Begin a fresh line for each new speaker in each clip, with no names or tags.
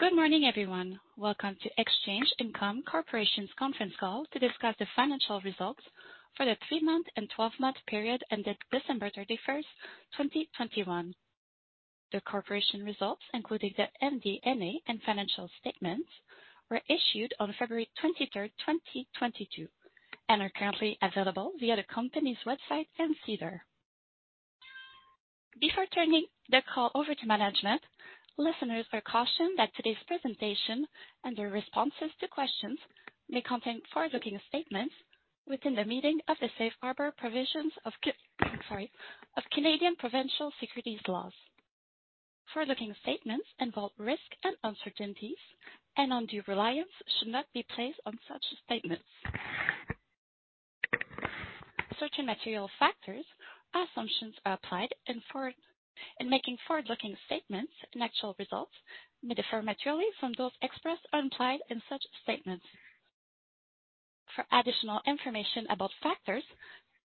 Good morning, everyone. Welcome to Exchange Income Corporation's conference call to discuss the financial results for the three-month and 12-month period ended December 31st, 2021. The corporation results, including the MD&A and financial statements, were issued on February 23rd, 2022, and are currently available via the company's website and SEDAR. Before turning the call over to management, listeners are cautioned that today's presentation and their responses to questions may contain forward-looking statements within the meaning of the safe harbor provisions of Canadian provincial securities laws. Forward-looking statements involve risks and uncertainties, and undue reliance should not be placed on such statements. Certain material factors, assumptions are applied in making forward-looking statements and actual results may differ materially from those expressed or implied in such statements. For additional information about factors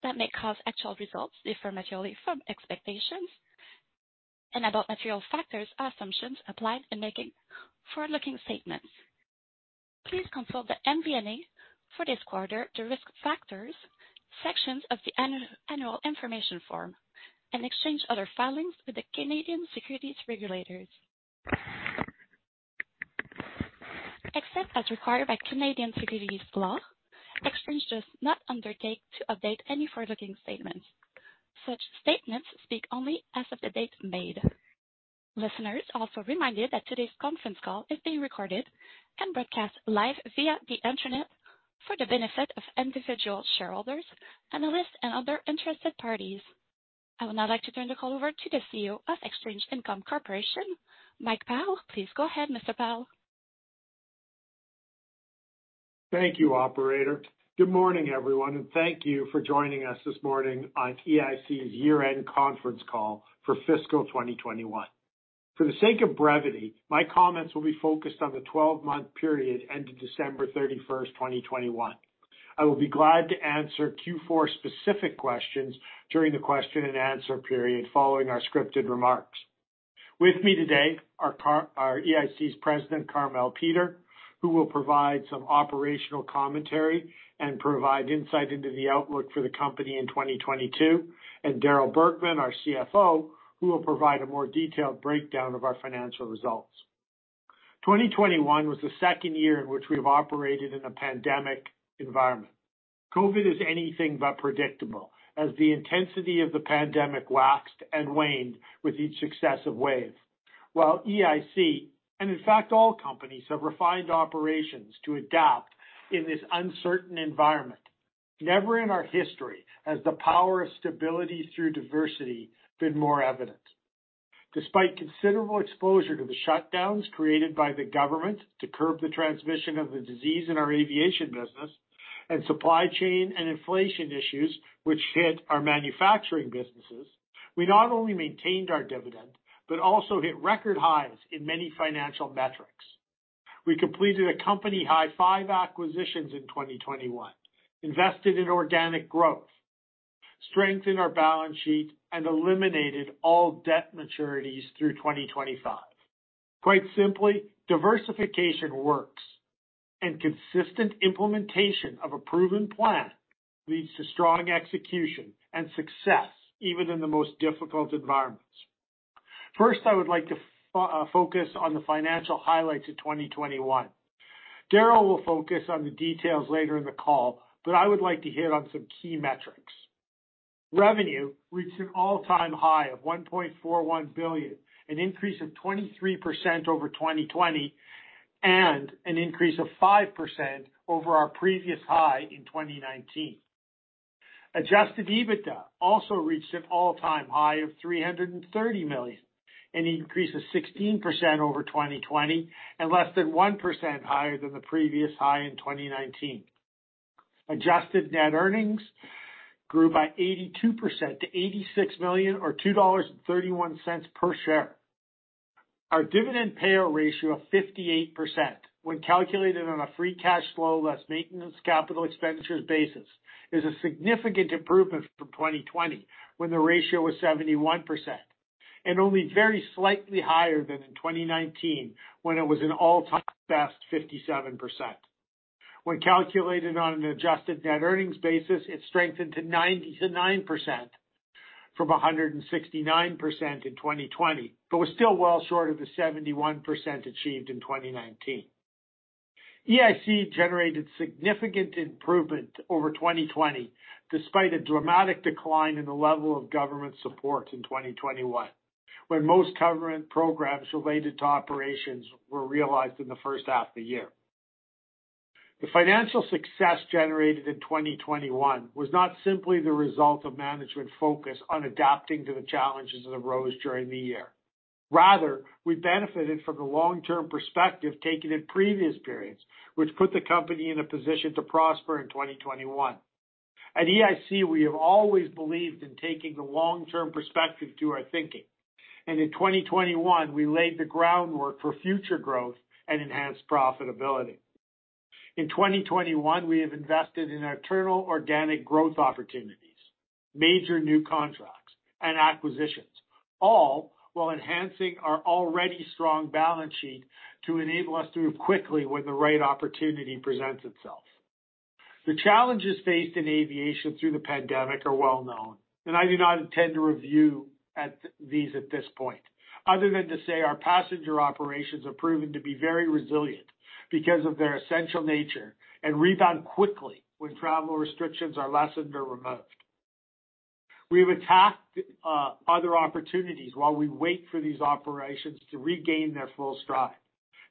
that may cause actual results to differ materially from expectations and about material factors, assumptions applied in making forward-looking statements, please consult the MD&A for this quarter, the Risk Factors sections of the annual information form and Exchange's other filings with the Canadian Securities Administrators. Except as required by Canadian securities law, Exchange does not undertake to update any forward-looking statements. Such statements speak only as of the date made. Listeners are also reminded that today's conference call is being recorded and broadcast live via the Internet for the benefit of individual shareholders, analysts, and other interested parties. I would now like to turn the call over to the CEO of Exchange Income Corporation, Mike Pyle. Please go ahead, Mr. Pyle.
Thank you, operator. Good morning, everyone, and thank you for joining us this morning on EIC's year-end conference call for fiscal 2021. For the sake of brevity, my comments will be focused on the 12-month period ended December 31st, 2021. I will be glad to answer Q4 specific questions during the Q&A period following our scripted remarks. With me today are EIC's President, Carmele Peter, who will provide some operational commentary and provide insight into the outlook for the company in 2022, and Darryl Bergman, our CFO, who will provide a more detailed breakdown of our financial results. 2021 was the second year in which we've operated in a pandemic environment. COVID is anything but predictable as the intensity of the pandemic waxed and waned with each successive wave. While EIC, and in fact all companies, have refined operations to adapt in this uncertain environment, never in our history has the power of stability through diversity been more evident. Despite considerable exposure to the shutdowns created by the government to curb the transmission of the disease in our aviation business and supply chain and inflation issues which hit our manufacturing businesses, we not only maintained our dividend but also hit record highs in many financial metrics. We completed a company-high five acquisitions in 2021, invested in organic growth, strengthened our balance sheet, and eliminated all debt maturities through 2025. Quite simply, diversification works, and consistent implementation of a proven plan leads to strong execution and success even in the most difficult environments. First, I would like to focus on the financial highlights of 2021. Darryl will focus on the details later in the call, but I would like to hit on some key metrics. Revenue reached an all-time high of 1.41 billion, an increase of 23% over 2020, and an increase of 5% over our previous high in 2019. Adjusted EBITDA also reached an all-time high of 330 million, an increase of 16% over 2020 and less than 1% higher than the previous high in 2019. Adjusted net earnings grew by 82% to 86 million or 2.31 dollars per share. Our dividend payout ratio of 58% when calculated on a free cash flow less maintenance capital expenditures basis is a significant improvement from 2020, when the ratio was 71%, and only very slightly higher than in 2019, when it was an all-time best 57%. When calculated on an adjusted net earnings basis, it strengthened to 99% from 169% in 2020, but was still well short of the 71% achieved in 2019. EIC generated significant improvement over 2020 despite a dramatic decline in the level of government support in 2021, when most government programs related to operations were realized in the first half of the year. The financial success generated in 2021 was not simply the result of management focus on adapting to the challenges that arose during the year. Rather, we benefited from the long-term perspective taken in previous periods, which put the company in a position to prosper in 2021. At EIC, we have always believed in taking the long-term perspective to our thinking, and in 2021 we laid the groundwork for future growth and enhanced profitability. In 2021, we have invested in internal organic growth opportunities, major new contracts, and acquisitions, all while enhancing our already strong balance sheet to enable us to move quickly when the right opportunity presents itself. The challenges faced in aviation through the pandemic are well known, and I do not intend to review these at this point, other than to say our passenger operations are proving to be very resilient because of their essential nature, and rebound quickly when travel restrictions are lessened or removed. We've attacked other opportunities while we wait for these operations to regain their full stride.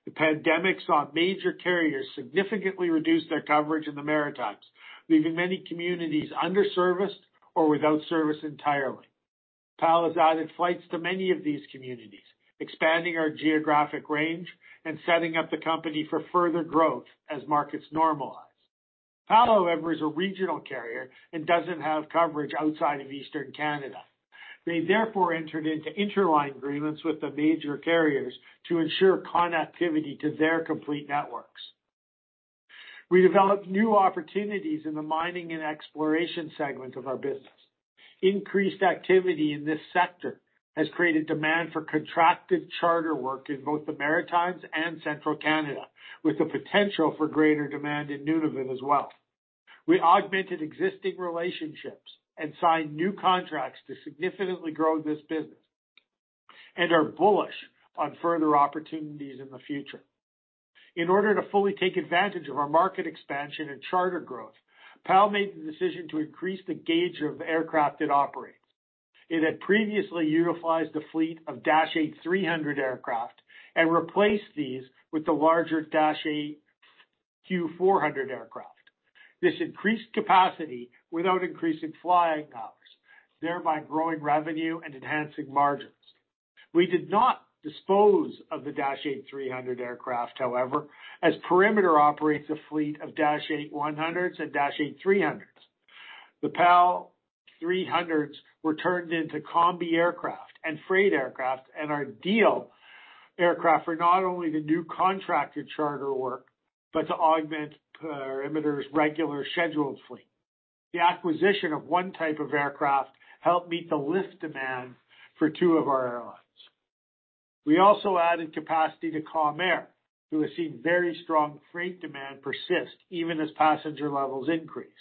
The pandemic saw major carriers significantly reduce their coverage in the Maritimes, leaving many communities under-serviced or without service entirely. PAL has added flights to many of these communities, expanding our geographic range and setting up the company for further growth as markets normalize. PAL, however, is a regional carrier and doesn't have coverage outside of Eastern Canada. They therefore entered into interline agreements with the major carriers to ensure connectivity to their complete networks. We developed new opportunities in the mining and exploration segment of our business. Increased activity in this sector has created demand for contracted charter work in both the Maritimes and Central Canada, with the potential for greater demand in Nunavut as well. We augmented existing relationships and signed new contracts to significantly grow this business and are bullish on further opportunities in the future. In order to fully take advantage of our market expansion and charter growth, PAL made the decision to increase the gauge of aircraft it operates. It had previously utilized a fleet of Dash 8-300 aircraft and replaced these with the larger Dash 8 Q400 aircraft. This increased capacity without increasing flying hours, thereby growing revenue and enhancing margins. We did not dispose of the Dash 8-300 aircraft, however, as Perimeter operates a fleet of Dash 8-100s and Dash 8-300s. The PAL 300s were turned into Combi aircraft and freight aircraft and are ideal aircraft for not only the new contracted charter work, but to augment Perimeter's regular scheduled fleet. The acquisition of one type of aircraft helped meet the lift demand for two of our airlines. We also added capacity to Calm Air, who has seen very strong freight demand persist even as passenger levels increase.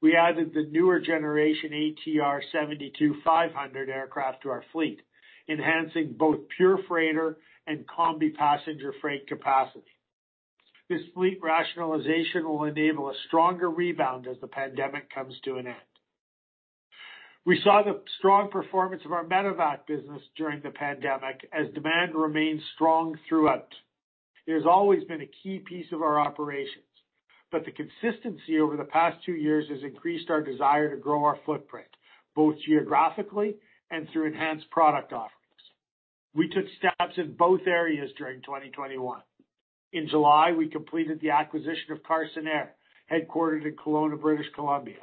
We added the newer generation ATR 72-500 aircraft to our fleet, enhancing both pure freighter and Combi passenger freight capacity. This fleet rationalization will enable a stronger rebound as the pandemic comes to an end. We saw the strong performance of our medevac business during the pandemic as demand remained strong throughout. It has always been a key piece of our operations, but the consistency over the past two years has increased our desire to grow our footprint, both geographically and through enhanced product offerings. We took steps in both areas during 2021. In July, we completed the acquisition of Carson Air, headquartered in Kelowna, British Columbia.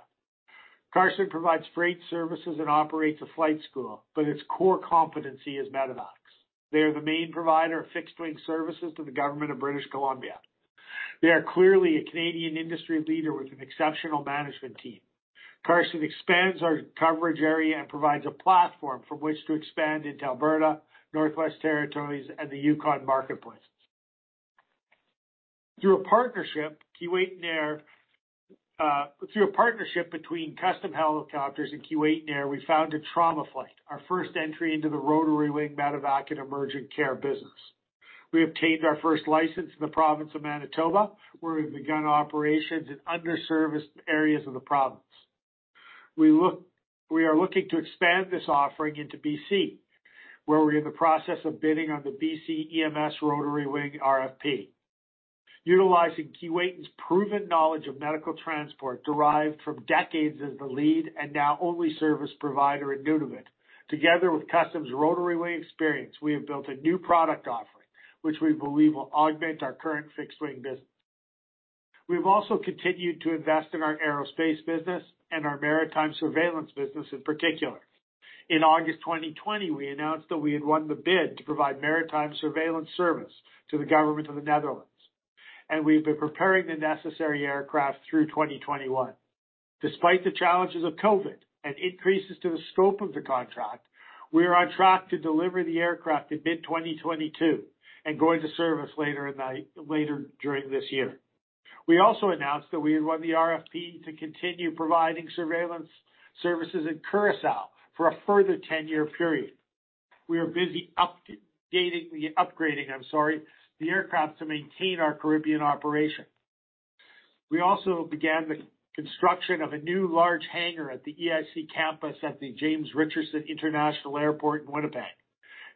Carson provides freight services and operates a flight school, but its core competency is medevacs. They are the main provider of fixed-wing services to the government of British Columbia. They are clearly a Canadian industry leader with an exceptional management team. Carson expands our coverage area and provides a platform from which to expand into Alberta, Northwest Territories, and the Yukon marketplaces. Through a partnership between Custom Helicopters and Keewatin Air, we founded Trauma Flight, our first entry into the rotary-wing medevac and emergent care business. We obtained our first license in the province of Manitoba, where we've begun operations in underserviced areas of the province. We are looking to expand this offering into BC, where we're in the process of bidding on the BC EMS rotary-wing RFP. Utilizing Keewatin's proven knowledge of medical transport derived from decades as the lead and now only service provider in Nunavut, together with Custom's rotary wing experience, we have built a new product offering, which we believe will augment our current fixed wing business. We've also continued to invest in our aerospace business and our maritime surveillance business in particular. In August 2020, we announced that we had won the bid to provide maritime surveillance service to the government of the Netherlands, and we've been preparing the necessary aircraft through 2021. Despite the challenges of COVID and increases to the scope of the contract, we are on track to deliver the aircraft in mid-2022 and go into service later during this year. We also announced that we had won the RFP to continue providing surveillance services in Curaçao for a further 10-year period. We are busy upgrading the aircraft to maintain our Caribbean operation. We also began the construction of a new large hangar at the EIC campus at the James Richardson International Airport in Winnipeg.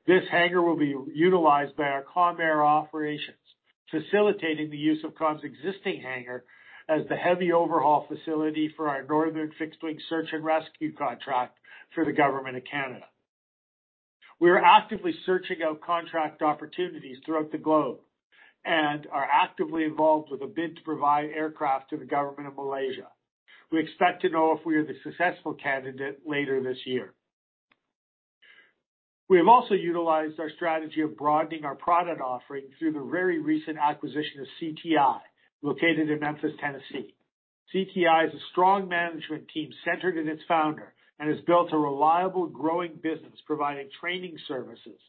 This hangar will be utilized by our Calm Air operations, facilitating the use of Calm's existing hangar as the heavy overhaul facility for our northern fixed-wing search and rescue contract for the government of Canada. We are actively searching out contract opportunities throughout the globe and are actively involved with a bid to provide aircraft to the government of Malaysia. We expect to know if we are the successful candidate later this year. We have also utilized our strategy of broadening our product offering through the very recent acquisition of CTI, located in Memphis, Tennessee. CTI is a strong management team centered in its founder and has built a reliable, growing business providing training services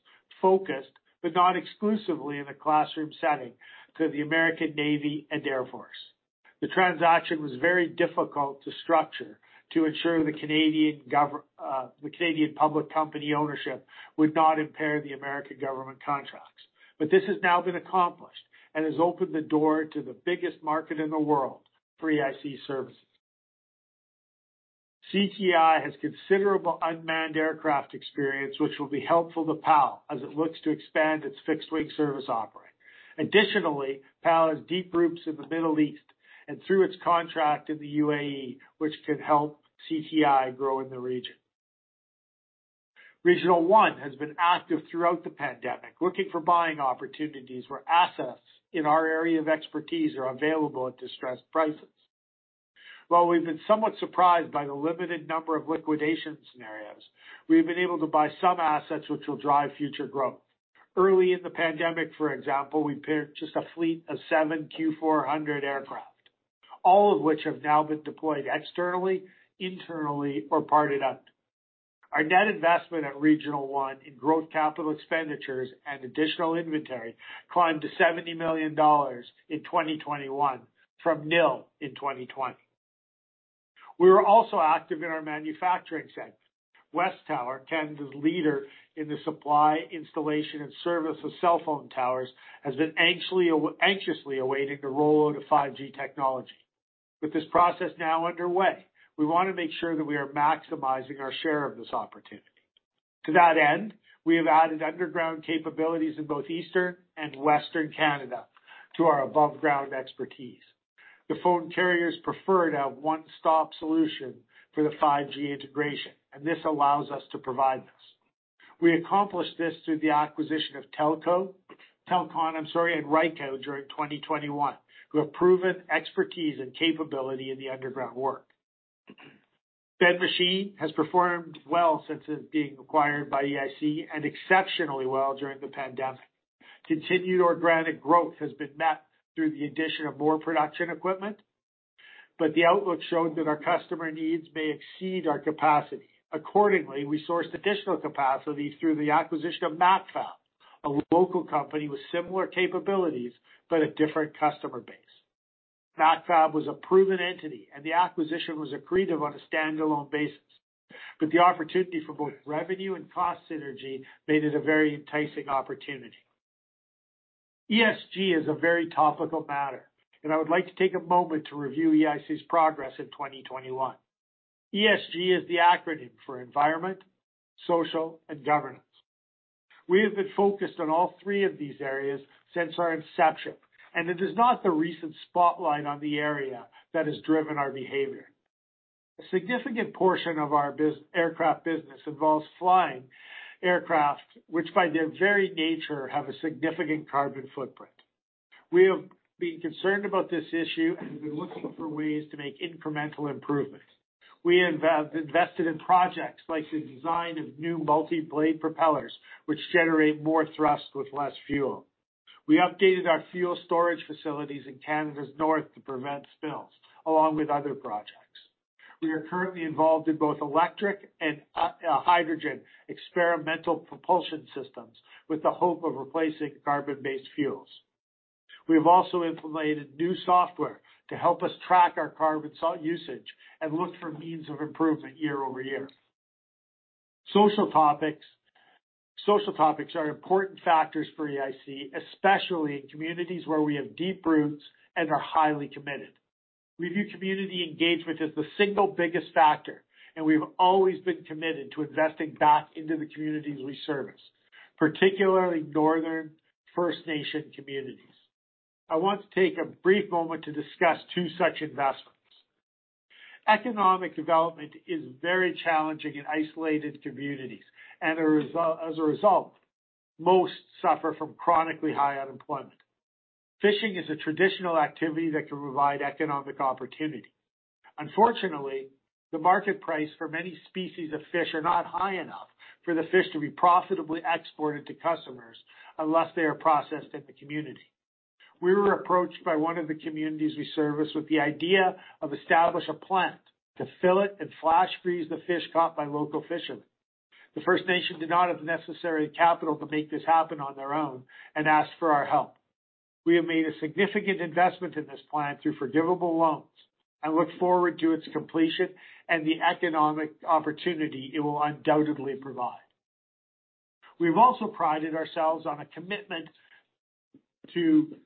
focused, but not exclusively in a classroom setting, to the American Navy and Air Force. The transaction was very difficult to structure to ensure the Canadian public company ownership would not impair the American government contracts. This has now been accomplished and has opened the door to the biggest market in the world for EIC services. CTI has considerable unmanned aircraft experience, which will be helpful to PAL as it looks to expand its fixed-wing service offering. Additionally, PAL has deep roots in the Middle East and through its contract in the UAE, which could help CTI grow in the region. Regional One has been active throughout the pandemic, looking for buying opportunities where assets in our area of expertise are available at distressed prices. While we've been somewhat surprised by the limited number of liquidation scenarios, we've been able to buy some assets which will drive future growth. Early in the pandemic, for example, we purchased a fleet of seven Q400 aircraft, all of which have now been deployed externally, internally or parted out. Our net investment at Regional One in growth capital expenditures and additional inventory climbed to 70 million dollars in 2021 from nil in 2020. We were also active in our manufacturing sector. WesTower, Canada's leader in the supply, installation and service of cell phone towers, has been anxiously awaiting the rollout of 5G technology. With this process now underway, we want to make sure that we are maximizing our share of this opportunity. To that end, we have added underground capabilities in both Eastern and Western Canada to our above ground expertise. The phone carriers prefer to have one-stop solution for the 5G integration, and this allows us to provide this. We accomplished this through the acquisition of Telcon, I'm sorry, and Ryko during 2021, who have proven expertise and capability in the underground work. Ben Machine has performed well since it being acquired by EIC and exceptionally well during the pandemic. Continued organic growth has been met through the addition of more production equipment, but the outlook showed that our customer needs may exceed our capacity. Accordingly, we sourced additional capacity through the acquisition of Macfab, a local company with similar capabilities but a different customer base. Macfab was a proven entity and the acquisition was accretive on a standalone basis, but the opportunity for both revenue and cost synergy made it a very enticing opportunity. ESG is a very topical matter, and I would like to take a moment to review EIC's progress in 2021. ESG is the acronym for Environmental, Social and Governance. We have been focused on all three of these areas since our inception, and it is not the recent spotlight on the area that has driven our behavior. A significant portion of our aircraft business involves flying aircraft, which by their very nature, have a significant carbon footprint. We have been concerned about this issue and have been looking for ways to make incremental improvements. We invested in projects like the design of new multi-blade propellers, which generate more thrust with less fuel. We updated our fuel storage facilities in Canada's north to prevent spills, along with other projects. We are currently involved in both electric and hydrogen experimental propulsion systems with the hope of replacing carbon-based fuels. We have also implemented new software to help us track our carbon usage and look for means of improvement year-over-year. Social topics are important factors for EIC, especially in communities where we have deep roots and are highly committed. We view community engagement as the single biggest factor, and we've always been committed to investing back into the communities we service, particularly northern First Nation communities. I want to take a brief moment to discuss two such investments. Economic development is very challenging in isolated communities, and as a result, most suffer from chronically high unemployment. Fishing is a traditional activity that can provide economic opportunity. Unfortunately, the market price for many species of fish is not high enough for the fish to be profitably exported to customers unless they are processed in the community. We were approached by one of the communities we service with the idea of establishing a plant to fillet it and flash freeze the fish caught by local fishermen. The First Nation did not have the necessary capital to make this happen on their own and asked for our help. We have made a significant investment in this plant through forgivable loans and look forward to its completion and the economic opportunity it will undoubtedly provide. We've also prided ourselves on a commitment to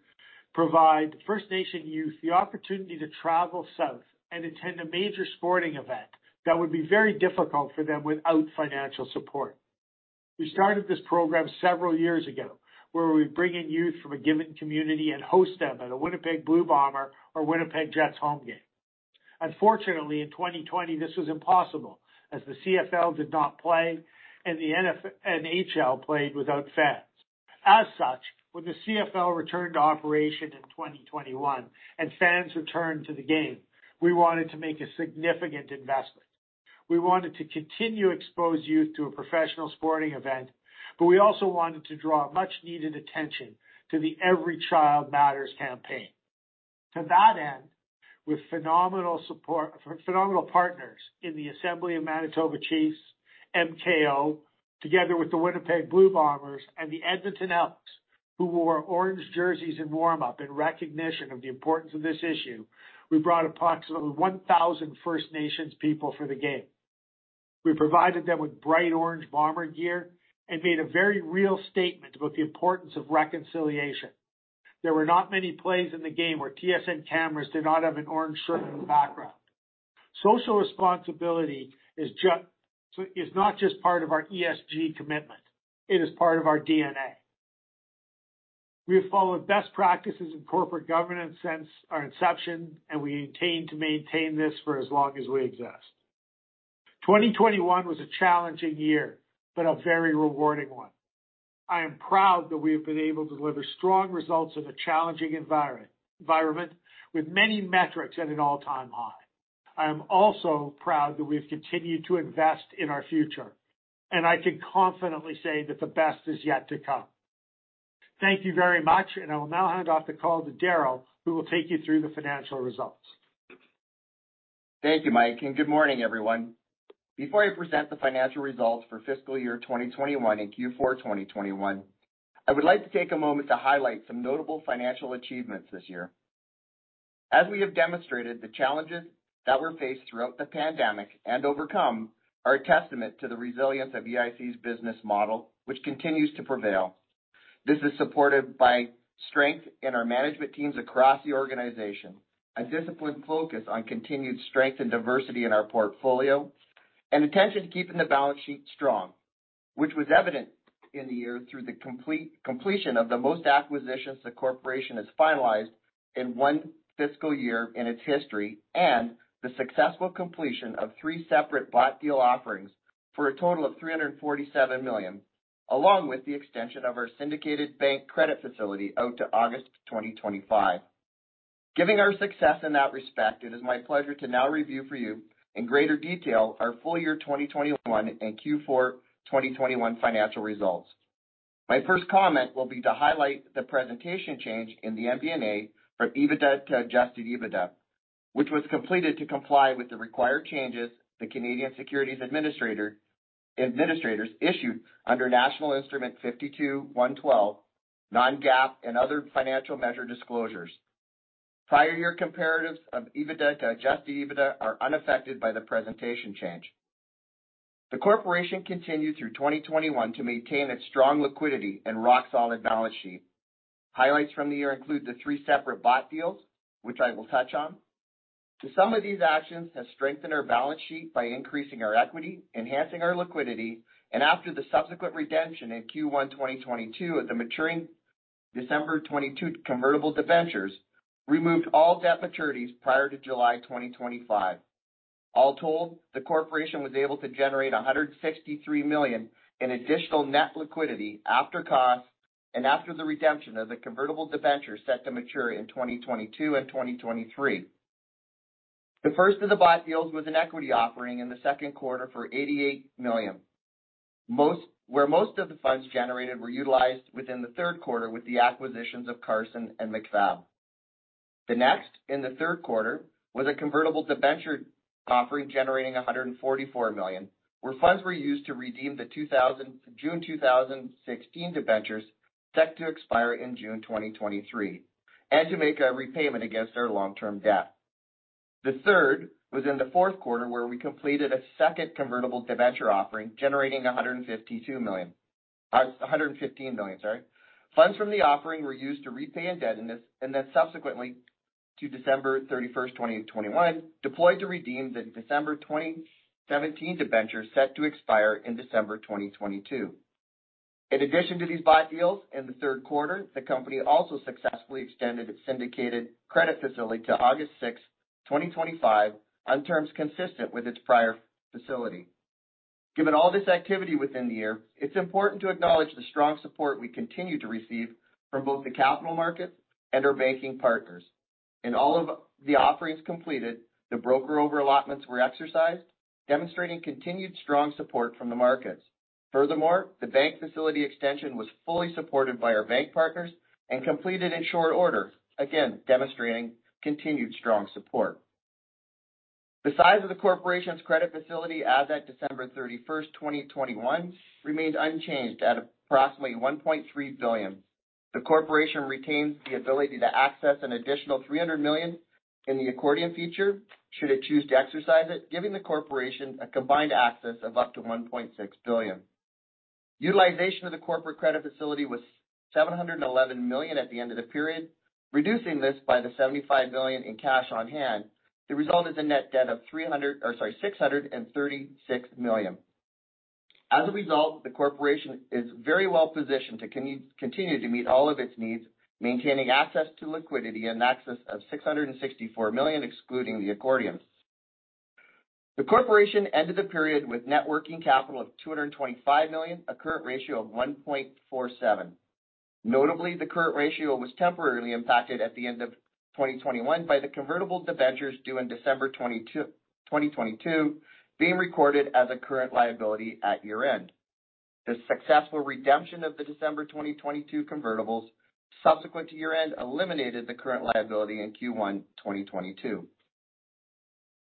provide First Nation youth the opportunity to travel south and attend a major sporting event that would be very difficult for them without financial support. We started this program several years ago, where we bring in youth from a given community and host them at a Winnipeg Blue Bombers or Winnipeg Jets home game. Unfortunately, in 2020, this was impossible as the CFL did not play and the NHL played without fans. As such, the CFL returned to operation in 2021 and fans returned to the game, we wanted to make a significant investment. We wanted to continue to expose youth to a professional sporting event, but we also wanted to draw much needed attention to the Every Child Matters campaign. To that end, with phenomenal support from phenomenal partners in the Assembly of Manitoba Chiefs, MKO, together with the Winnipeg Blue Bombers and the Edmonton Elks, who wore orange jerseys in warm-up in recognition of the importance of this issue, we brought approximately 1,000 First Nations people for the game. We provided them with bright orange bomber gear and made a very real statement about the importance of reconciliation. There were not many plays in the game where TSN cameras did not have an orange shirt in the background. Social responsibility is not just part of our ESG commitment, it is part of our DNA. We have followed best practices in corporate governance since our inception, and we intend to maintain this for as long as we exist. 2021 was a challenging year, but a very rewarding one. I am proud that we have been able to deliver strong results in a challenging environment with many metrics at an all-time high. I am also proud that we've continued to invest in our future, and I can confidently say that the best is yet to come. Thank you very much, and I will now hand off the call to Darryl, who will take you through the financial results.
Thank you, Mike, and good morning, everyone. Before I present the financial results for fiscal year 2021 and Q4 2021, I would like to take a moment to highlight some notable financial achievements this year. As we have demonstrated, the challenges that were faced throughout the pandemic and overcome are a testament to the resilience of EIC's business model, which continues to prevail. This is supported by strength in our management teams across the organization, a disciplined focus on continued strength and diversity in our portfolio, and attention to keeping the balance sheet strong, which was evident in the year through the completion of the most acquisitions the corporation has finalized in one fiscal year in its history, and the successful completion of three separate bought deal offerings for a total of 347 million, along with the extension of our syndicated bank credit facility out to August 2025. Given our success in that respect, it is my pleasure to now review for you in greater detail our full year 2021 and Q4 2021 financial results. My first comment will be to highlight the presentation change in the MD&A from EBITDA to adjusted EBITDA, which was completed to comply with the required changes the Canadian Securities Administrators issued under National Instrument 52-112, non-GAAP and other financial measure disclosures. Prior year comparatives of EBITDA to adjusted EBITDA are unaffected by the presentation change. The corporation continued through 2021 to maintain its strong liquidity and rock-solid balance sheet. Highlights from the year include the three separate bought deals, which I will touch on. The sum of these actions has strengthened our balance sheet by increasing our equity, enhancing our liquidity, and after the subsequent redemption in Q1 2022 of the maturing December 2022 convertible debentures removed all debt maturities prior to July 2025. All told, the corporation was able to generate 163 million in additional net liquidity after cost and after the redemption of the convertible debentures set to mature in 2022 and 2023. The first of the bought deals was an equity offering in the second quarter for 88 million. Where most of the funds generated were utilized within the third quarter with the acquisitions of Carson and Macfab. The next in the third quarter was a convertible debenture offering generating 144 million, where funds were used to redeem the June 2016 debentures set to expire in June 2023 and to make a repayment against our long-term debt. The third was in the fourth quarter, where we completed a second convertible debenture offering, generating 152 million. 115 million, sorry. Funds from the offering were used to repay indebtedness, and then subsequently to December 31st, 2021, deployed to redeem the December 2017 debentures set to expire in December 2022. In addition to these bought deals, in the third quarter, the company also successfully extended its syndicated credit facility to August 6, 2025, on terms consistent with its prior facility. Given all this activity within the year, it's important to acknowledge the strong support we continue to receive from both the capital markets and our banking partners. In all of the offerings completed, the broker over-allotments were exercised, demonstrating continued strong support from the markets. Furthermore, the bank facility extension was fully supported by our bank partners and completed in short order, again, demonstrating continued strong support. The size of the corporation's credit facility as at December 31st, 2021, remains unchanged at approximately 1.3 billion. The corporation retains the ability to access an additional 300 million in the accordion feature should it choose to exercise it, giving the corporation a combined access of up to 1.6 billion. Utilization of the corporate credit facility was 711 million at the end of the period. Reducing this by the 75 million in cash on hand, the result is a net debt of 636 million. As a result, the corporation is very well positioned to continue to meet all of its needs, maintaining access to liquidity and access to 664 million, excluding the accordions. The corporation ended the period with net working capital of 225 million, a current ratio of 1.47. Notably, the current ratio was temporarily impacted at the end of 2021 by the convertible debentures due in December 2022 being recorded as a current liability at year-end. The successful redemption of the December 2022 convertibles subsequent to year-end eliminated the current liability in Q1 2022.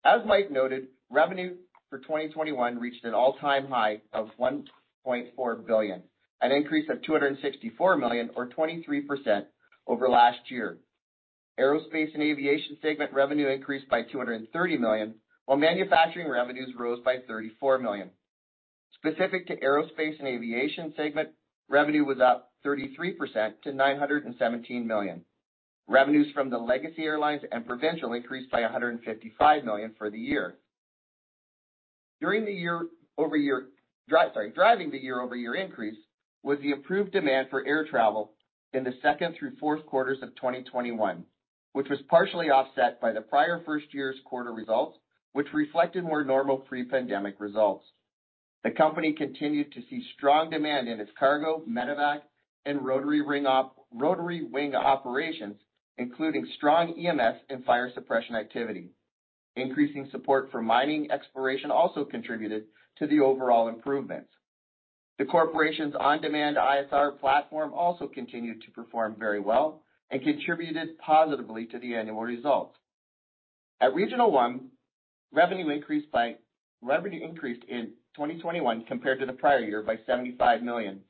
As Mike noted, revenue for 2021 reached an all-time high of 1.4 billion, an increase of 264 million or 23% over last year. Aerospace and aviation segment revenue increased by 230 million, while manufacturing revenues rose by 34 million. Specific to aerospace and aviation segment, revenue was up 33% to 917 million. Revenues from the Legacy Airlines and Provincial increased by 155 million for the year. Driving the year-over-year increase was the rebound demand for air travel in the second through fourth quarters of 2021, which was partially offset by the prior first year's quarter results, which reflected more normal pre-pandemic results. The company continued to see strong demand in its cargo, medevac, and rotary wing operations, including strong EMS and fire suppression activity. Increasing support for mining exploration also contributed to the overall improvements. The corporation's on-demand ISR platform also continued to perform very well and contributed positively to the annual results. At Regional One, revenue increased in 2021 compared to the prior year by 75 million.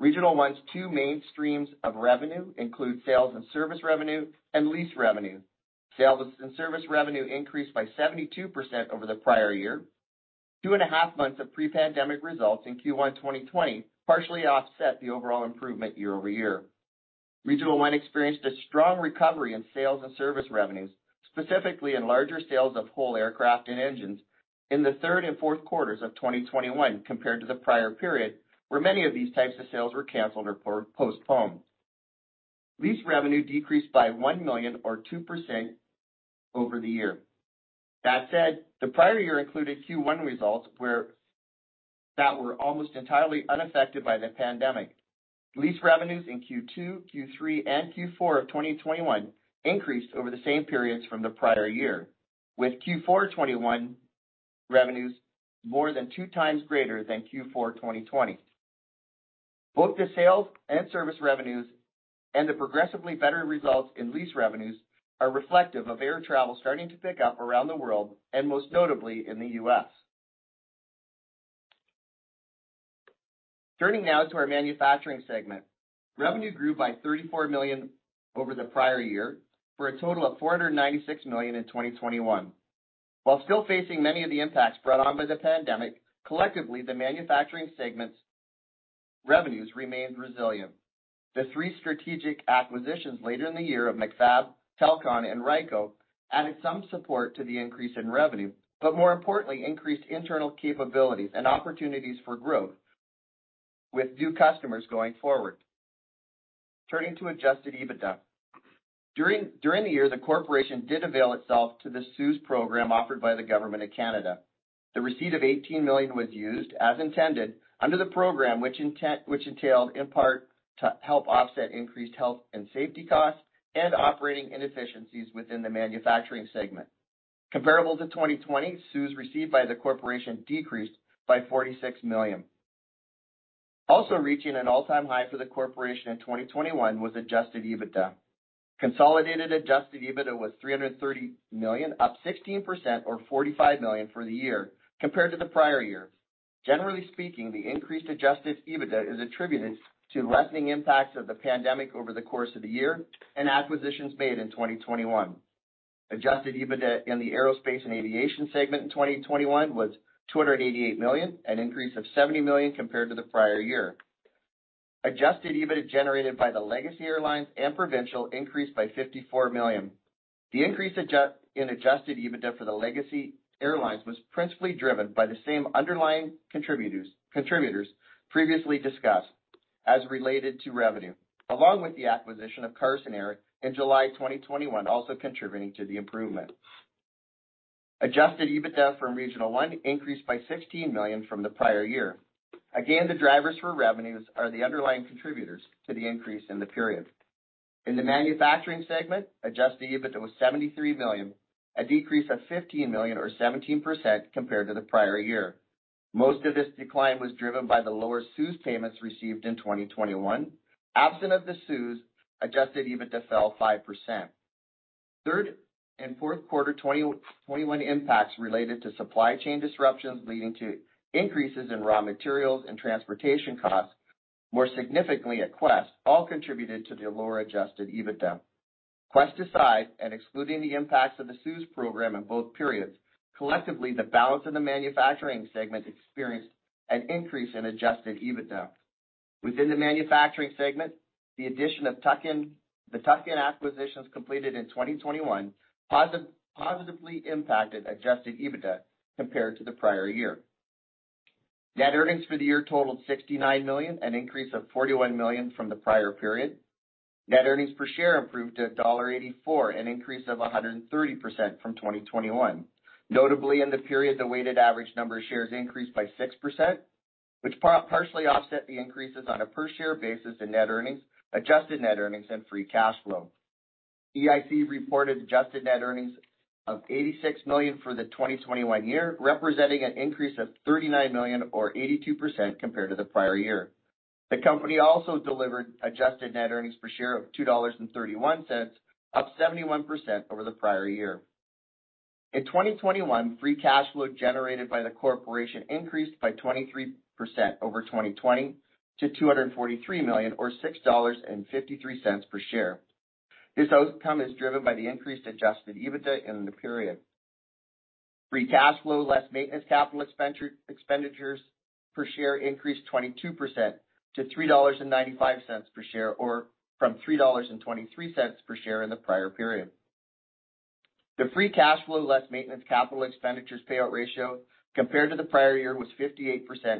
Regional One's two main streams of revenue include sales and service revenue and lease revenue. Sales and service revenue increased by 72% over the prior year. 2.5 months of pre-pandemic results in Q1 2020 partially offset the overall improvement year-over-year. Regional One experienced a strong recovery in sales and service revenues, specifically in larger sales of whole aircraft and engines in the third and fourth quarters of 2021 compared to the prior period, where many of these types of sales were canceled or postponed. Lease revenue decreased by 1 million or 2% over the year. That said, the prior year included Q1 results that were almost entirely unaffected by the pandemic. Lease revenues in Q2, Q3, and Q4 of 2021 increased over the same periods from the prior year, with Q4 2021 revenues more than 2x greater than Q4 2020. Both the sales and service revenues and the progressively better results in lease revenues are reflective of air travel starting to pick up around the world and most notably in the U.S. Turning now to our manufacturing segment. Revenue grew by 34 million over the prior year for a total of 496 million in 2021. While still facing many of the impacts brought on by the pandemic, collectively, the manufacturing segments' revenues remained resilient. The three strategic acquisitions later in the year of Macfab, Telcon, and Ryko added some support to the increase in revenue, but more importantly, increased internal capabilities and opportunities for growth with new customers going forward. Turning to adjusted EBITDA. During the year, the corporation did avail itself to the CEWS program offered by the government of Canada. The receipt of 18 million was used as intended under the program which entailed in part to help offset increased health and safety costs and operating inefficiencies within the manufacturing segment. Comparable to 2020, CEWS received by the corporation decreased by 46 million. Also reaching an all-time high for the corporation in 2021 was adjusted EBITDA. Consolidated adjusted EBITDA was 330 million, up 16% or 45 million for the year compared to the prior year. Generally speaking, the increased adjusted EBITDA is attributed to lessening impacts of the pandemic over the course of the year and acquisitions made in 2021. Adjusted EBITDA in the aerospace and aviation segment in 2021 was 288 million, an increase of 70 million compared to the prior year. Adjusted EBITDA generated by the Legacy Airlines and Provincial increased by 54 million. The increase in adjusted EBITDA for the Legacy Airlines was principally driven by the same underlying contributors previously discussed as related to revenue, along with the acquisition of Carson Air in July 2021, also contributing to the improvement. Adjusted EBITDA from Regional One increased by 16 million from the prior year. Again, the drivers for revenues are the underlying contributors to the increase in the period. In the manufacturing segment, adjusted EBITDA was 73 million, a decrease of 15 million or 17% compared to the prior year. Most of this decline was driven by the lower CEWS payments received in 2021. Absent of the CEWS, adjusted EBITDA fell 5%. Third- and fourth-quarter 2021 impacts related to supply chain disruptions leading to increases in raw materials and transportation costs, more significantly at Quest, all contributed to the lower adjusted EBITDA. Quest aside, and excluding the impacts of the CEWS program in both periods, collectively, the balance in the manufacturing segment experienced an increase in adjusted EBITDA. Within the manufacturing segment, the addition of the tuck-in acquisitions completed in 2021 positively impacted adjusted EBITDA compared to the prior year. Net earnings for the year totaled 69 million, an increase of 41 million from the prior period. Net earnings per share improved to dollar 0.84, an increase of 130% from 2021. Notably, in the period, the weighted average number of shares increased by 6%, which partially offset the increases on a per share basis in net earnings, adjusted net earnings and free cash flow. EIC reported adjusted net earnings of 86 million for the 2021 year, representing an increase of 39 million or 82% compared to the prior year. The company also delivered adjusted net earnings per share of 2.31 dollars, up 71% over the prior year. In 2021, free cash flow generated by the corporation increased by 23% over 2020 to 243 million or 6.53 dollars per share. This outcome is driven by the increased adjusted EBITDA in the period. Free cash flow, less maintenance capital expenditures per share increased 22% to 3.95 dollars per share, or from 3.23 dollars per share in the prior period. The free cash flow, less maintenance capital expenditures payout ratio compared to the prior year was 58%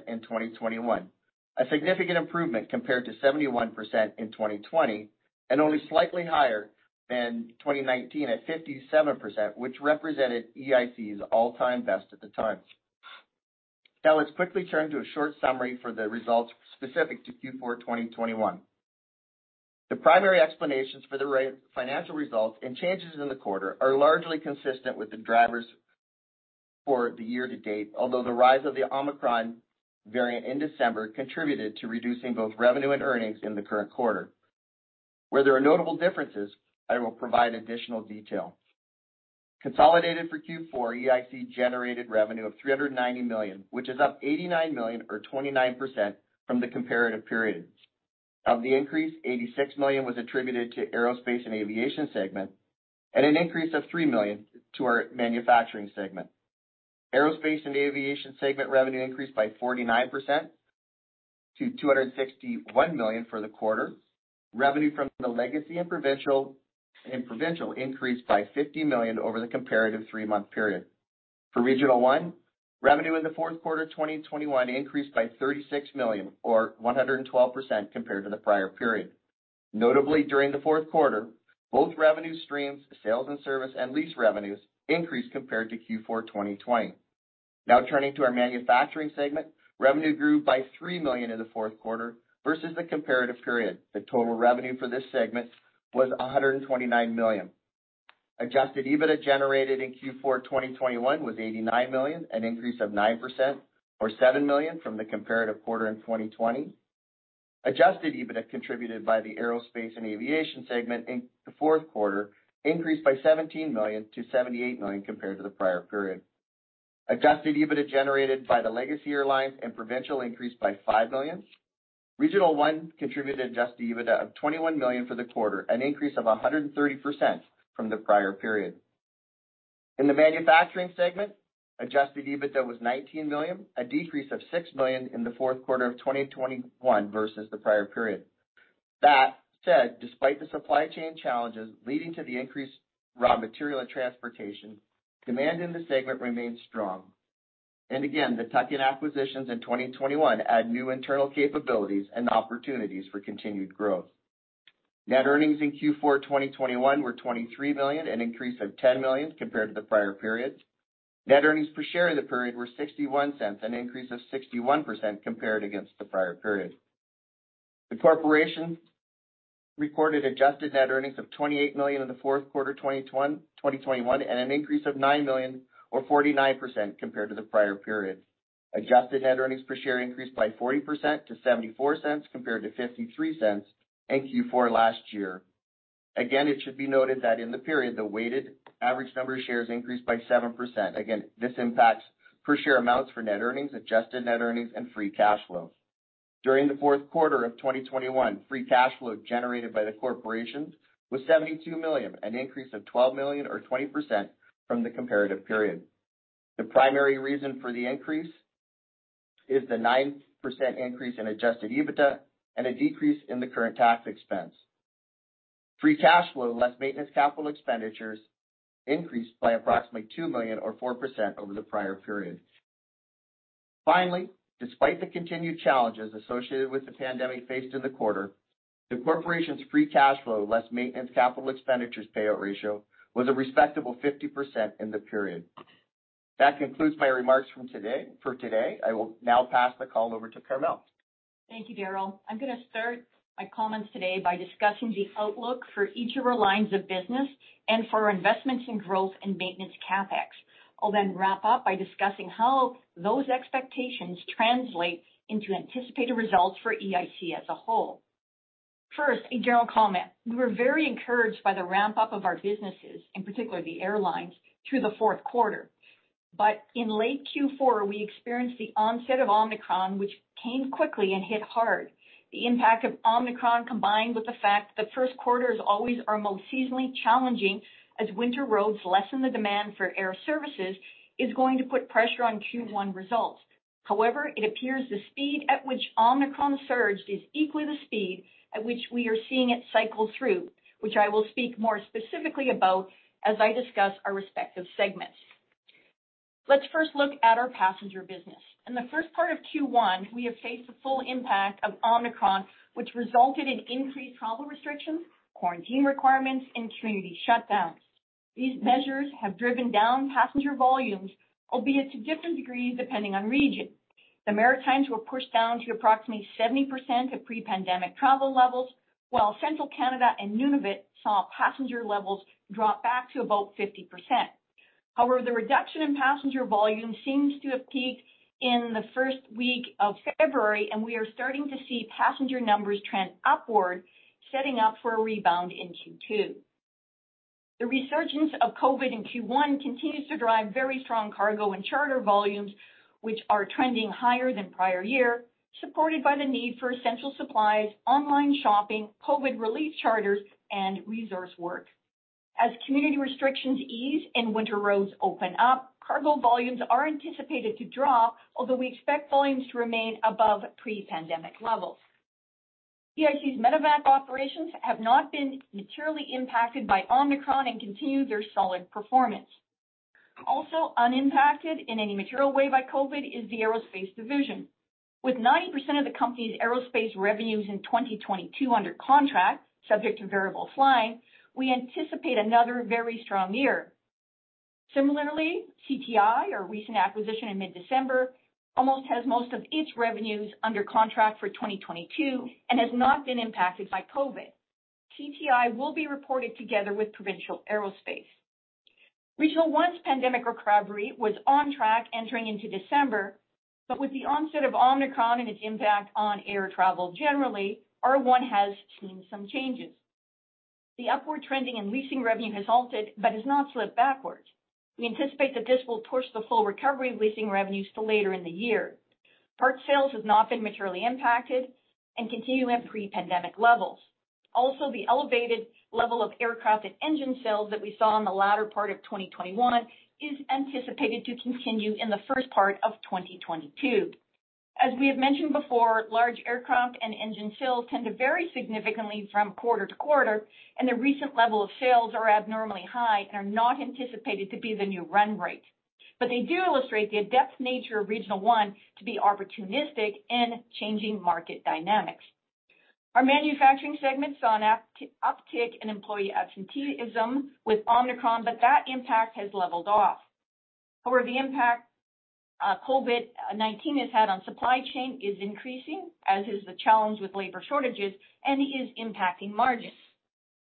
in 2021, a significant improvement compared to 71% in 2020, and only slightly higher than 2019 at 57%, which represented EIC's all-time best at the time. Now let's quickly turn to a short summary for the results specific to Q4 2021. The primary explanations for the financial results and changes in the quarter are largely consistent with the drivers for the year-to-date. Although the rise of the Omicron variant in December contributed to reducing both revenue and earnings in the current quarter. Where there are notable differences, I will provide additional detail. Consolidated for Q4, EIC generated revenue of 390 million, which is up 89 million or 29% from the comparative period. Of the increase, 86 million was attributed to Aerospace and Aviation segment, and an increase of 3 million to our Manufacturing segment. Aerospace and Aviation segment revenue increased by 49% to 261 million for the quarter. Revenue from the Legacy and Provincial increased by 50 million over the comparative three-month period. For Regional One, revenue in the fourth quarter 2021 increased by 36 million or 112% compared to the prior period. Notably, during the fourth quarter, both revenue streams, sales and service and lease revenues increased compared to Q4 2020. Now turning to our Manufacturing segment. Revenue grew by 3 million in the fourth quarter versus the comparative period. The total revenue for this segment was 129 million. Adjusted EBITDA generated in Q4 2021 was 89 million, an increase of 9% or 7 million from the comparative quarter in 2020. Adjusted EBITDA contributed by the Aerospace and Aviation segment in the fourth quarter increased by 17 million to 78 million compared to the prior period. Adjusted EBITDA generated by the Legacy Airlines and Provincial increased by 5 million. Regional One contributed adjusted EBITDA of 21 million for the quarter, an increase of 130% from the prior period. In the Manufacturing segment, adjusted EBITDA was 19 million, a decrease of 6 million in the fourth quarter of 2021 versus the prior period. That said, despite the supply chain challenges leading to the increased raw material and transportation, demand in the segment remains strong. Again, the tuck-in acquisitions in 2021 add new internal capabilities and opportunities for continued growth. Net earnings in Q4 2021 were 23 million, an increase of 10 million compared to the prior period. Net earnings per share in the period were 0.61, an increase of 61% compared against the prior period. The corporation recorded adjusted net earnings of 28 million in the fourth quarter 2021, an increase of 9 million or 49% compared to the prior period. Adjusted net earnings per share increased by 40% to 0.74 compared to 0.53 in Q4 last year. Again, it should be noted that in the period, the weighted average number of shares increased by 7%. Again, this impacts per share amounts for net earnings, adjusted net earnings and free cash flow. During the fourth quarter of 2021, free cash flow generated by the corporations was 72 million, an increase of 12 million or 20% from the comparative period. The primary reason for the increase is the 9% increase in adjusted EBITDA and a decrease in the current tax expense. Free cash flow, less maintenance capital expenditures increased by approximately 2 million or 4% over the prior period. Finally, despite the continued challenges associated with the pandemic faced in the quarter, the corporation's free cash flow, less maintenance capital expenditures payout ratio was a respectable 50% in the period. That concludes my remarks from today. For today, I will now pass the call over to Carmele.
Thank you, Darryl. I'm gonna start my comments today by discussing the outlook for each of our lines of business and for our investments in growth and maintenance CapEx. I'll then wrap up by discussing how those expectations translate into anticipated results for EIC as a whole. First, a general comment. We were very encouraged by the ramp-up of our businesses, in particular the airlines, through the fourth quarter. In late Q4, we experienced the onset of Omicron, which came quickly and hit hard. The impact of Omicron, combined with the fact the first quarters always are most seasonally challenging as winter roads lessen the demand for air services, is going to put pressure on Q1 results. However, it appears the speed at which Omicron surged is equally the speed at which we are seeing it cycle through, which I will speak more specifically about as I discuss our respective segments. Let's first look at our passenger business. In the first part of Q1, we have faced the full impact of Omicron, which resulted in increased travel restrictions, quarantine requirements, and community shutdowns. These measures have driven down passenger volumes, albeit to different degrees, depending on region. The Maritimes were pushed down to approximately 70% of pre-pandemic travel levels, while Central Canada and Nunavut saw passenger levels drop back to about 50%. However, the reduction in passenger volume seems to have peaked in the first week of February, and we are starting to see passenger numbers trend upward, setting up for a rebound in Q2. The resurgence of COVID in Q1 continues to drive very strong cargo and charter volumes, which are trending higher than prior year, supported by the need for essential supplies, online shopping, COVID relief charters, and resource work. As community restrictions ease and winter roads open up, cargo volumes are anticipated to drop, although we expect volumes to remain above pre-pandemic levels. EIC's medevac operations have not been materially impacted by Omicron and continue their solid performance. Also unimpacted in any material way by COVID is the aerospace division. With 90% of the company's aerospace revenues in 2022 under contract subject to variable flying, we anticipate another very strong year. Similarly, CTI, our recent acquisition in mid-December, almost has most of its revenues under contract for 2022 and has not been impacted by COVID. CTI will be reported together with Provincial Aerospace. Regional One's pandemic recovery was on track entering into December, but with the onset of Omicron and its impact on air travel generally, R1 has seen some changes. The upward trending in leasing revenue has halted but has not slipped backwards. We anticipate that this will push the full recovery of leasing revenues to later in the year. Parts sales has not been materially impacted and continue at pre-pandemic levels. Also, the elevated level of aircraft and engine sales that we saw in the latter part of 2021 is anticipated to continue in the first part of 2022. As we have mentioned before, large aircraft and engine sales tend to vary significantly from quarter to quarter, and the recent level of sales are abnormally high and are not anticipated to be the new run rate. They do illustrate the adept nature of Regional One to be opportunistic in changing market dynamics. Our manufacturing segment saw an apt-uptick in employee absenteeism with Omicron, but that impact has leveled off. However, the impact COVID-19 has had on supply chain is increasing, as is the challenge with labor shortages, and is impacting margins.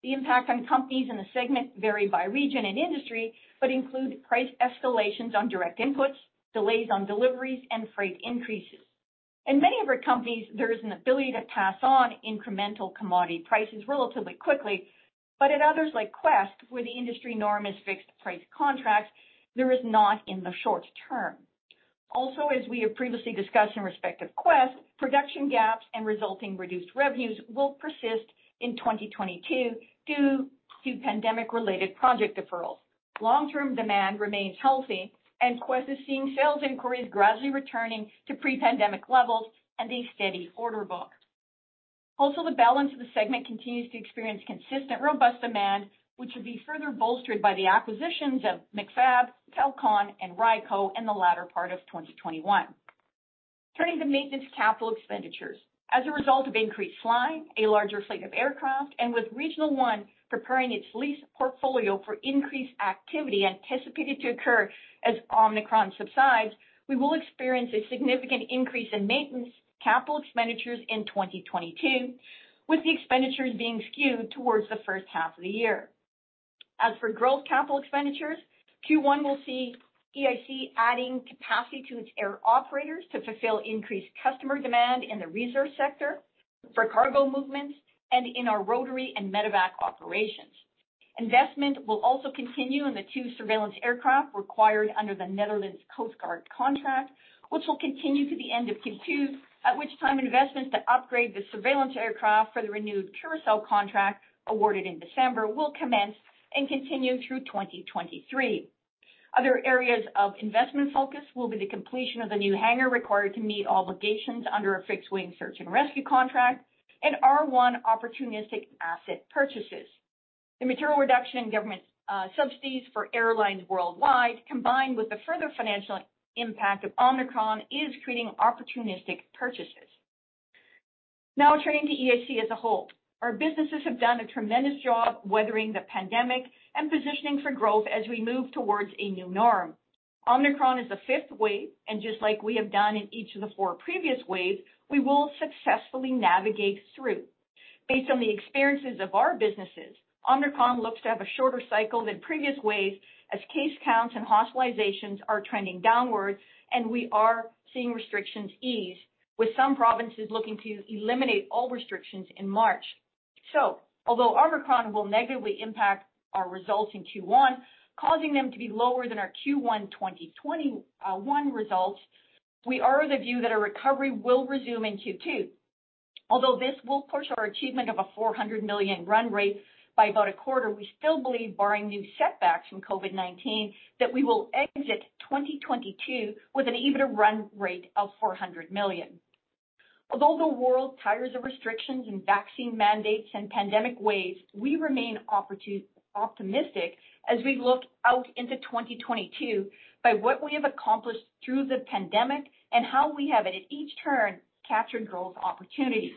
The impact on companies in the segment vary by region and industry, but include price escalations on direct inputs, delays on deliveries, and freight increases. In many of our companies, there is an ability to pass on incremental commodity prices relatively quickly, but in others like Quest, where the industry norm is fixed price contracts, there is not in the short term. Also, as we have previously discussed in respect of Quest, production gaps and resulting reduced revenues will persist in 2022 due to pandemic-related project deferrals. Long-term demand remains healthy, and Quest is seeing sales inquiries gradually returning to pre-pandemic levels and a steady order book. Also, the balance of the segment continues to experience consistent, robust demand, which will be further bolstered by the acquisitions of Macfab, Telcon, and Ryko in the latter part of 2021. Turning to maintenance capital expenditures. As a result of increased flying, a larger fleet of aircraft, and with Regional One preparing its lease portfolio for increased activity anticipated to occur as Omicron subsides, we will experience a significant increase in maintenance capital expenditures in 2022, with the expenditures being skewed towards the first half of the year. As for growth capital expenditures, Q1 will see EIC adding capacity to its air operators to fulfill increased customer demand in the resource sector for cargo movements and in our rotary and medevac operations. Investment will also continue in the two surveillance aircraft required under the Netherlands Coast Guard contract, which will continue to the end of Q2, at which time investments to upgrade the surveillance aircraft for the renewed Curaçao contract awarded in December will commence and continue through 2023. Other areas of investment focus will be the completion of the new hangar required to meet obligations under a fixed-wing search and rescue contract and R1 opportunistic asset purchases. The material reduction in government subsidies for airlines worldwide, combined with the further financial impact of Omicron, is creating opportunistic purchases. Now turning to EIC as a whole. Our businesses have done a tremendous job weathering the pandemic and positioning for growth as we move towards a new norm. Omicron is the fifth wave, and just like we have done in each of the four previous waves, we will successfully navigate through. Based on the experiences of our businesses, Omicron looks to have a shorter cycle than previous waves as case counts and hospitalizations are trending downwards and we are seeing restrictions ease, with some provinces looking to eliminate all restrictions in March. Although Omicron will negatively impact our results in Q1, causing them to be lower than our Q1 2021 results, we are of the view that a recovery will resume in Q2. Although this will push our achievement of a 400 million run rate by about a quarter, we still believe, barring new setbacks from COVID-19, that we will exit 2022 with an EBITDA run rate of 400 million. Although the world tires of restrictions and vaccine mandates and pandemic waves, we remain optimistic as we look out into 2022 by what we have accomplished through the pandemic and how we have, at each turn, captured growth opportunities.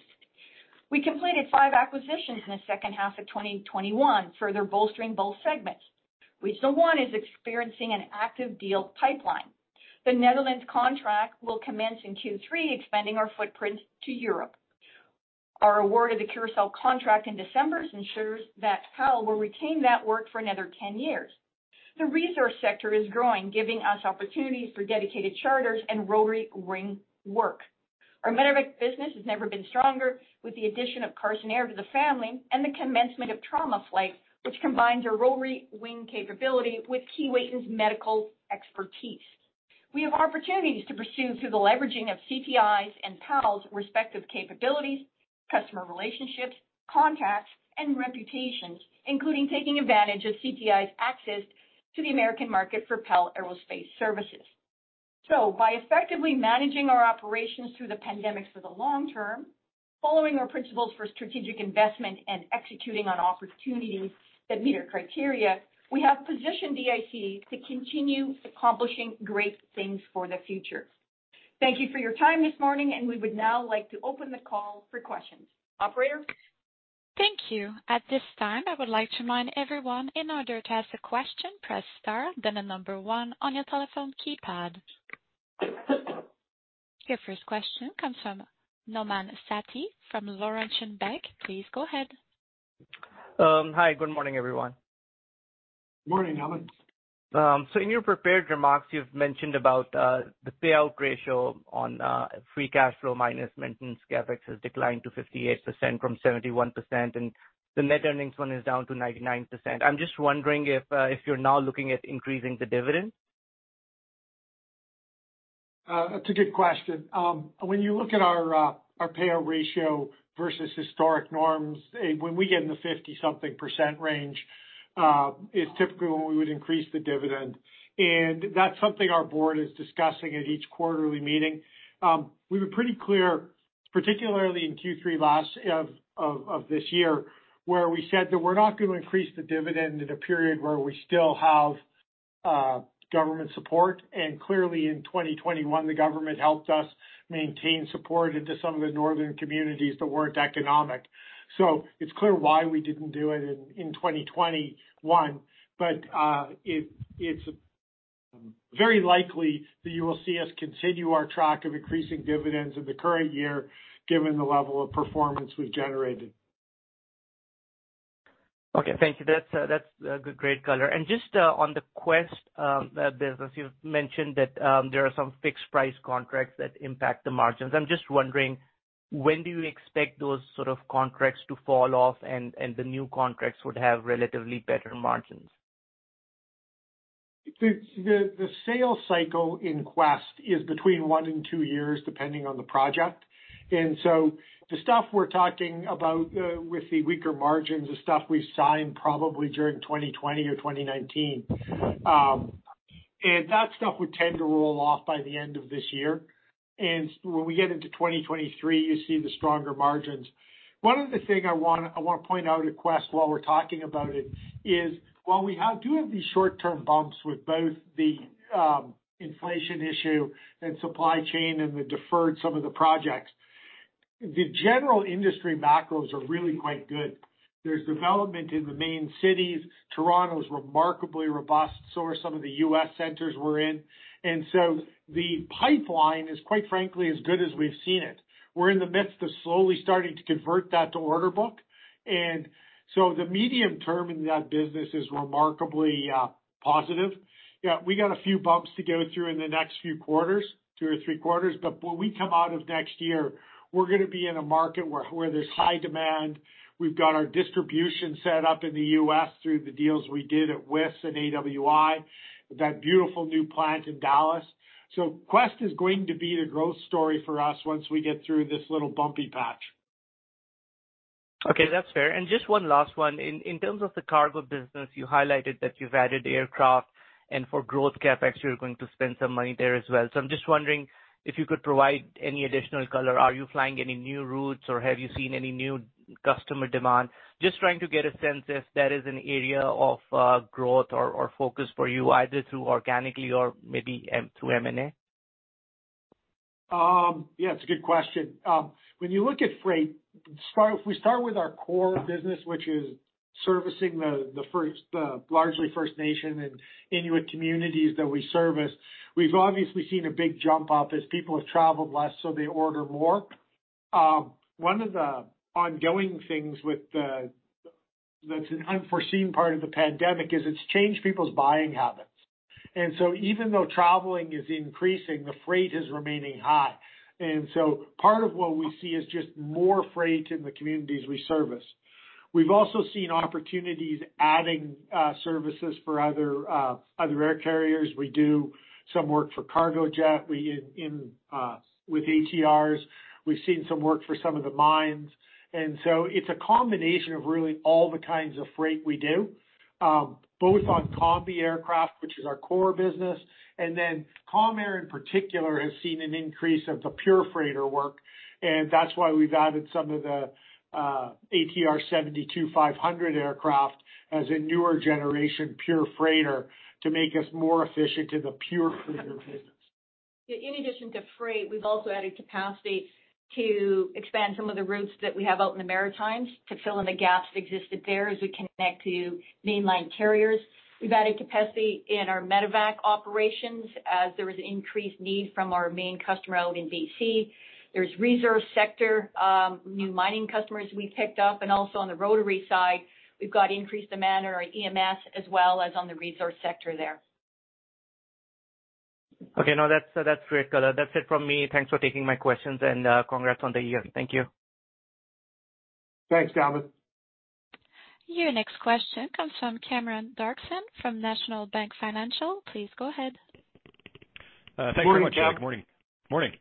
We completed five acquisitions in the second half of 2021, further bolstering both segments. Regional One is experiencing an active deal pipeline. The Netherlands contract will commence in Q3, expanding our footprint to Europe. Our award of the Curaçao contract in December ensures that PAL will retain that work for another 10 years. The resource sector is growing, giving us opportunities for dedicated charters and rotary wing work. Our medevac business has never been stronger, with the addition of Carson Air to the family and the commencement of Trauma Flight, which combines a rotary wing capability with Keewatin's medical expertise. We have opportunities to pursue through the leveraging of CTI's and PAL's respective capabilities, customer relationships, contacts, and reputations, including taking advantage of CTI's access to the American market for PAL Aerospace Services. By effectively managing our operations through the pandemic for the long term, following our principles for strategic investment and executing on opportunities that meet our criteria, we have positioned EIC to continue accomplishing great things for the future. Thank you for your time this morning, and we would now like to open the call for questions. Operator?
Thank you. At this time, I would like to remind everyone, in order to ask a question, press star then the number one on your telephone keypad. Your first question comes from Nauman Satti from Laurentian Bank. Please go ahead.
Hi. Good morning, everyone.
Morning, Nauman.
In your prepared remarks, you've mentioned about the payout ratio on free cash flow minus maintenance CapEx has declined to 58% from 71%, and the net earnings one is down to 99%. I'm just wondering if you're now looking at increasing the dividend.
That's a good question. When you look at our payout ratio versus historic norms, when we get in the 50-something% range, it's typically when we would increase the dividend. That's something our board is discussing at each quarterly meeting. We were pretty clear, particularly in Q3 last of this year, where we said that we're not gonna increase the dividend in a period where we still have government support. Clearly, in 2021, the government helped us maintain support into some of the northern communities that weren't economic. It's clear why we didn't do it in 2021. It's very likely that you will see us continue our track of increasing dividends in the current year given the level of performance we've generated.
Thank you. That's a good, great color. Just on the Quest business, you've mentioned that there are some fixed price contracts that impact the margins. I'm just wondering, when do you expect those sort of contracts to fall off and the new contracts would have relatively better margins?
The sales cycle in Quest is between one and two years, depending on the project. The stuff we're talking about with the weaker margins, the stuff we've signed probably during 2020 or 2019, and that stuff would tend to roll off by the end of this year. When we get into 2023, you see the stronger margins. One other thing I want to point out at Quest while we're talking about it is while we have these short-term bumps with both the inflation issue and supply chain and the deferred some of the projects, the general industry macros are really quite good. There's development in the main cities. Toronto's remarkably robust, so are some of the US centers we're in. The pipeline is, quite frankly, as good as we've seen it. We're in the midst of slowly starting to convert that to order book. The medium term in that business is remarkably positive. Yeah, we got a few bumps to go through in the next few quarters, two or three quarters. When we come out of next year, we're gonna be in a market where there's high demand. We've got our distribution set up in the US through the deals we did at WIS and AWI, that beautiful new plant in Dallas. Quest is going to be the growth story for us once we get through this little bumpy patch.
Okay. That's fair. Just one last one. In terms of the cargo business, you highlighted that you've added aircraft, and for growth CapEx, you're going to spend some money there as well. I'm just wondering if you could provide any additional color. Are you flying any new routes, or have you seen any new customer demand? Just trying to get a sense if that is an area of growth or focus for you, either through organically or maybe through M&A?
Yeah, it's a good question. When you look at freight, if we start with our core business, which is servicing the largely First Nations and Inuit communities that we service, we've obviously seen a big jump up as people have traveled less, so they order more. One of the ongoing things with the, that's an unforeseen part of the pandemic, is. It's changed people's buying habits. Even though traveling is increasing, the freight is remaining high. Part of what we see is just more freight in the communities we service. We've also seen opportunities adding services for other air carriers. We do some work for Cargojet. We in with ATRs, we've seen some work for some of the mines. It's a combination of really all the kinds of freight we do, both on Combi aircraft, which is our core business, and then Calm Air in particular has seen an increase of the pure freighter work, and that's why we've added some of the ATR 72-500 aircraft as a newer generation pure freighter to make us more efficient in the pure freighter business.
In addition to freight, we've also added capacity to expand some of the routes that we have out in the Maritimes to fill in the gaps that existed there as we connect to mainline carriers. We've added capacity in our medevac operations as there was increased need from our main customer out in D.C. There's resource sector, new mining customers we picked up, and also on the rotary side, we've got increased demand on our EMS as well as on the resource sector there.
Okay. No, that's great, Carmele. That's it from me. Thanks for taking my questions, and congrats on the year. Thank you.
Thanks, Nauman.
Your next question comes from Cameron Doerksen from National Bank Financial. Please go ahead.
Morning, Cam.
Thanks very much. Morning. Morning.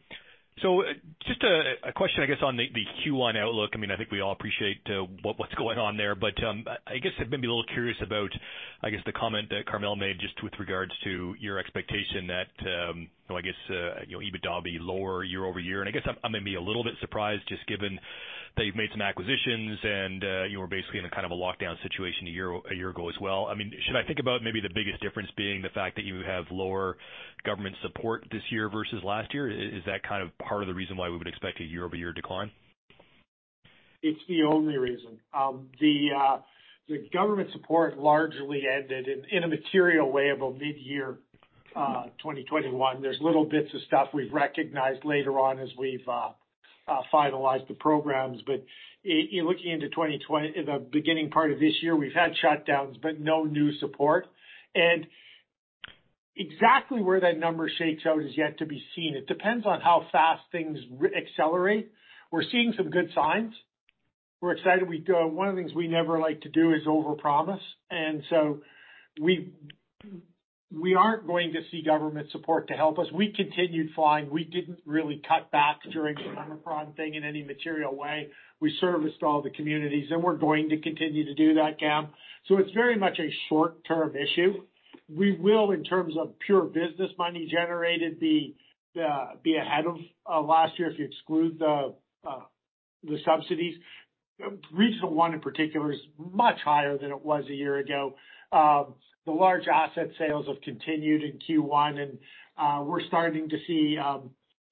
Just a question, I guess, on the Q1 outlook. I mean, I think we all appreciate what's going on there. I guess I'd maybe a little curious about, I guess, the comment that Carmele made just with regards to your expectation that, I guess, you know, EBITDA will be lower year-over-year. I guess I'm gonna be a little bit surprised just given that you've made some acquisitions and you were basically in a kind of a lockdown situation a year ago as well. I mean, should I think about maybe the biggest difference being the fact that you have lower government support this year versus last year? Is that kind of part of the reason why we would expect a year-over-year decline?
It's the only reason. The government support largely ended in a material way about mid-2021. There's little bits of stuff we've recognized later on as we've finalized the programs. In looking into the beginning part of this year, we've had shutdowns, but no new support. Exactly where that number shakes out is yet to be seen. It depends on how fast things accelerate. We're seeing some good signs. We're excited. One of the things we never like to do is overpromise, and so we aren't going to see government support to help us. We continued flying. We didn't really cut back during the Omicron thing in any material way. We serviced all the communities, and we're going to continue to do that, Cam. It's very much a short-term issue. We will, in terms of pure business money generated, be ahead of last year if you exclude the subsidies. Regional One in particular is much higher than it was a year ago. The large asset sales have continued in Q1, and we're starting to see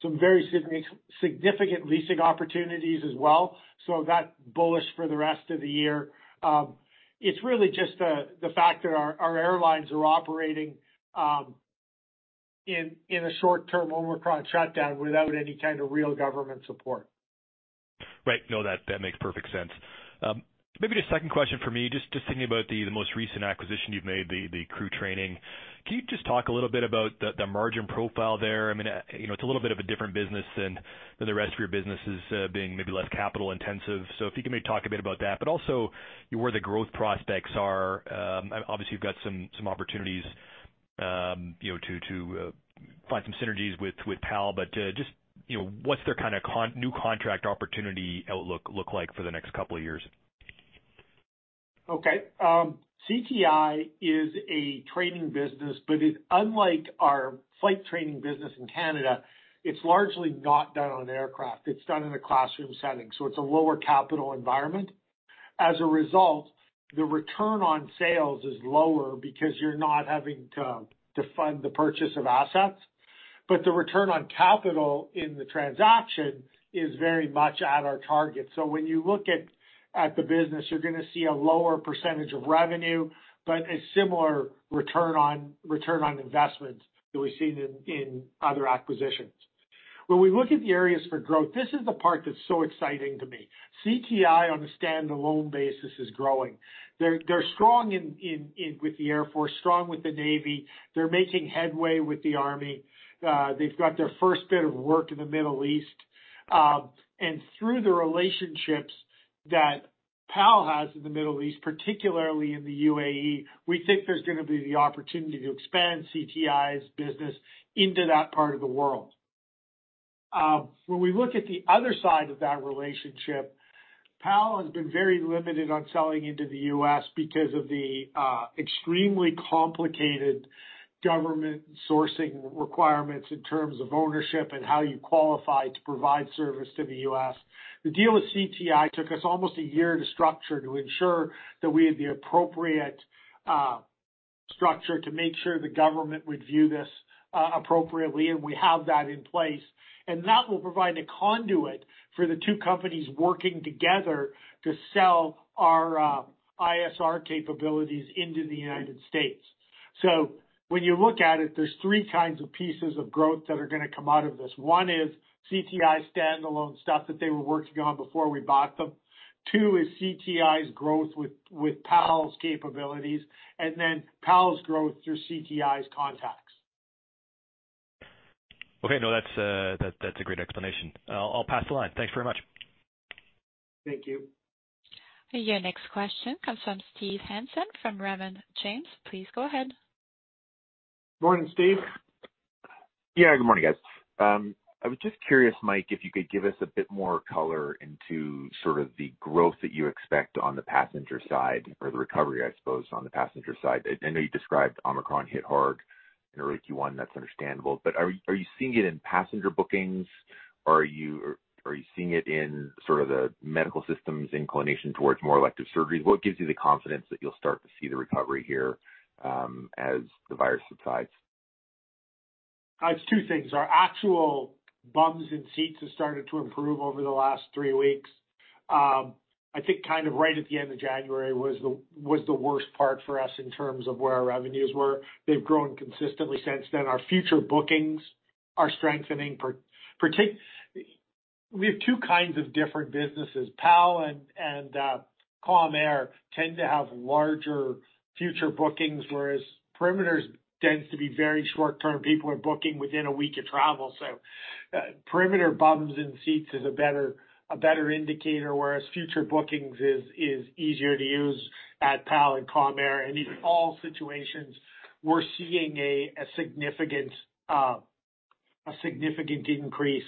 some very significant leasing opportunities as well, so that's bullish for the rest of the year. It's really just the fact that our airlines are operating in a short-term Omicron shutdown without any kind of real government support.
Right. No, that makes perfect sense. Maybe just second question for me, just thinking about the most recent acquisition you've made, the Crew Training. Can you just talk a little bit about the margin profile there? I mean, you know, it's a little bit of a different business than the rest of your businesses, being maybe less capital intensive. If you can maybe talk a bit about that, but also where the growth prospects are. Obviously you've got some opportunities, you know, to find some synergies with PAL, but just, you know, what's their kinda new contract opportunity outlook look like for the next couple of years?
Okay. CTI is a training business, but unlike our flight training business in Canada, it's largely not done on aircraft. It's done in a classroom setting, so it's a lower capital environment. As a result, the return on sales is lower because you're not having to fund the purchase of assets, but the return on capital in the transaction is very much at our target. When you look at the business, you're gonna see a lower percentage of revenue, but a similar return on investment that we've seen in other acquisitions. When we look at the areas for growth, this is the part that's so exciting to me. CTI on a standalone basis is growing. They're strong with the Air Force, strong with the Navy. They're making headway with the Army. They've got their first bit of work in the Middle East. Through the relationships that PAL has in the Middle East, particularly in the UAE, we think there's gonna be the opportunity to expand CTI's business into that part of the world. When we look at the other side of that relationship, PAL has been very limited on selling into the U.S. because of the extremely complicated government sourcing requirements in terms of ownership and how you qualify to provide service to the US The deal with CTI took us almost a year to structure to ensure that we had the appropriate structure to make sure the government would view this appropriately, and we have that in place. That will provide a conduit for the two companies working together to sell our ISR capabilities into the United States. When you look at it, there's three kinds of pieces of growth that are gonna come out of this. One is CTI standalone stuff that they were working on before we bought them. Two is CTI's growth with PAL's capabilities, and then PAL's growth through CTI's contacts.
Okay. No, that's a great explanation. I'll pass the line. Thanks very much.
Thank you.
Your next question comes from Steve Hansen from Raymond James. Please go ahead.
Morning, Steve.
Yeah, good morning, guys. I was just curious, Mike, if you could give us a bit more color into sort of the growth that you expect on the passenger side or the recovery, I suppose, on the passenger side. I know you described Omicron hit hard in early Q1. That's understandable. Are you seeing it in passenger bookings? Are you seeing it in sort of the medical systems inclination towards more elective surgeries? What gives you the confidence that you'll start to see the recovery here, as the virus subsides?
It's two things. Our actual bums in seats have started to improve over the last three weeks. I think kind of right at the end of January was the worst part for us in terms of where our revenues were. They've grown consistently since then. Our future bookings are strengthening. We have two kinds of different businesses. PAL and Calm Air tend to have larger future bookings, whereas Perimeter's tends to be very short term. People are booking within a week of travel. Perimeter bums in seats is a better indicator, whereas future bookings is easier to use at PAL and Calm Air. In all situations, we're seeing a significant increase.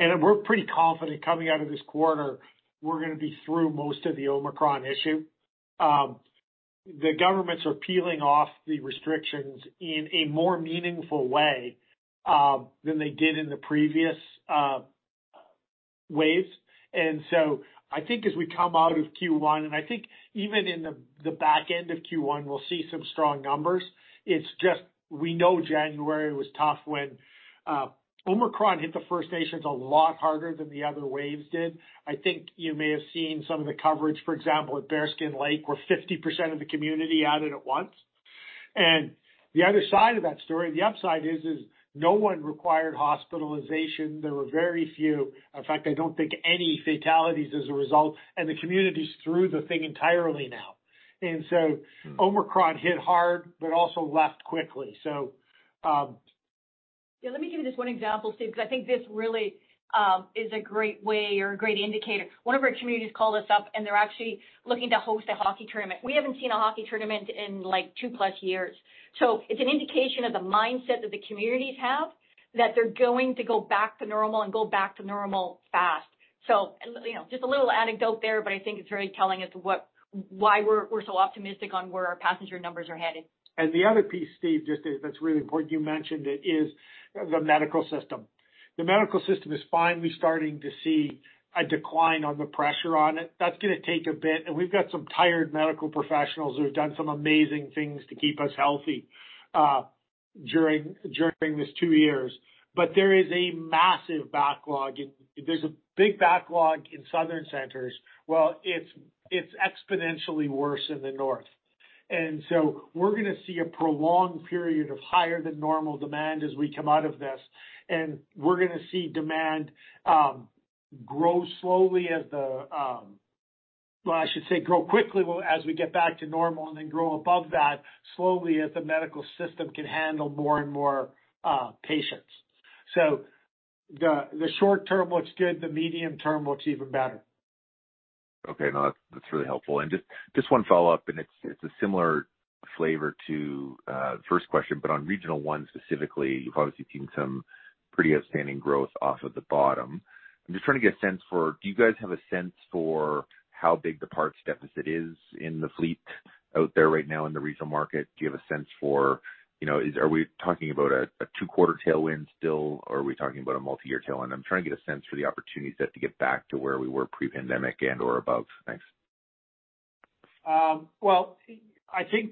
We're pretty confident coming out of this quarter, we're gonna be through most of the Omicron issue. The governments are peeling off the restrictions in a more meaningful way than they did in the previous waves. I think as we come out of Q1, and I think even in the back end of Q1, we'll see some strong numbers. It's just we know January was tough when Omicron hit the First Nations a lot harder than the other waves did. I think you may have seen some of the coverage, for example, at Bearskin Lake, where 50% of the community had it at once. The other side of that story, the upside is no one required hospitalization. There were very few, in fact, I don't think any fatalities as a result, and the community's through the thing entirely now.
Mm.
Omicron hit hard, but also left quickly.
Yeah, let me give you just one example, Steve, because I think this really is a great way or a great indicator. One of our communities called us up, and they're actually looking to host a hockey tournament. We haven't seen a hockey tournament in, like, 2+ years. It's an indication of the mindset that the communities have that they're going to go back to normal and go back to normal fast. You know, just a little anecdote there, but I think it's very telling as to why we're so optimistic on where our passenger numbers are headed.
The other piece, Steve, just is that's really important, you mentioned it, is the medical system. The medical system is finally starting to see a decline on the pressure on it. That's gonna take a bit, and we've got some tired medical professionals who have done some amazing things to keep us healthy during this two years. But there is a massive backlog. If there's a big backlog in southern centers, well, it's exponentially worse in the north. We're gonna see a prolonged period of higher than normal demand as we come out of this, and we're gonna see demand grow slowly as the. Well, I should say grow quickly as we get back to normal and then grow above that slowly as the medical system can handle more and more patients. Short term looks good, the medium term looks even better.
Okay. No, that's really helpful. Just one follow-up, and it's a similar flavor to the first question, but on Regional One specifically, you've obviously seen some pretty outstanding growth off of the bottom. I'm just trying to get a sense for do you guys have a sense for how big the parts deficit is in the fleet out there right now in the regional market? Do you have a sense for, you know, are we talking about a two-quarter tailwind still, or are we talking about a multi-year tailwind? I'm trying to get a sense for the opportunity set to get back to where we were pre-pandemic and or above. Thanks.
I think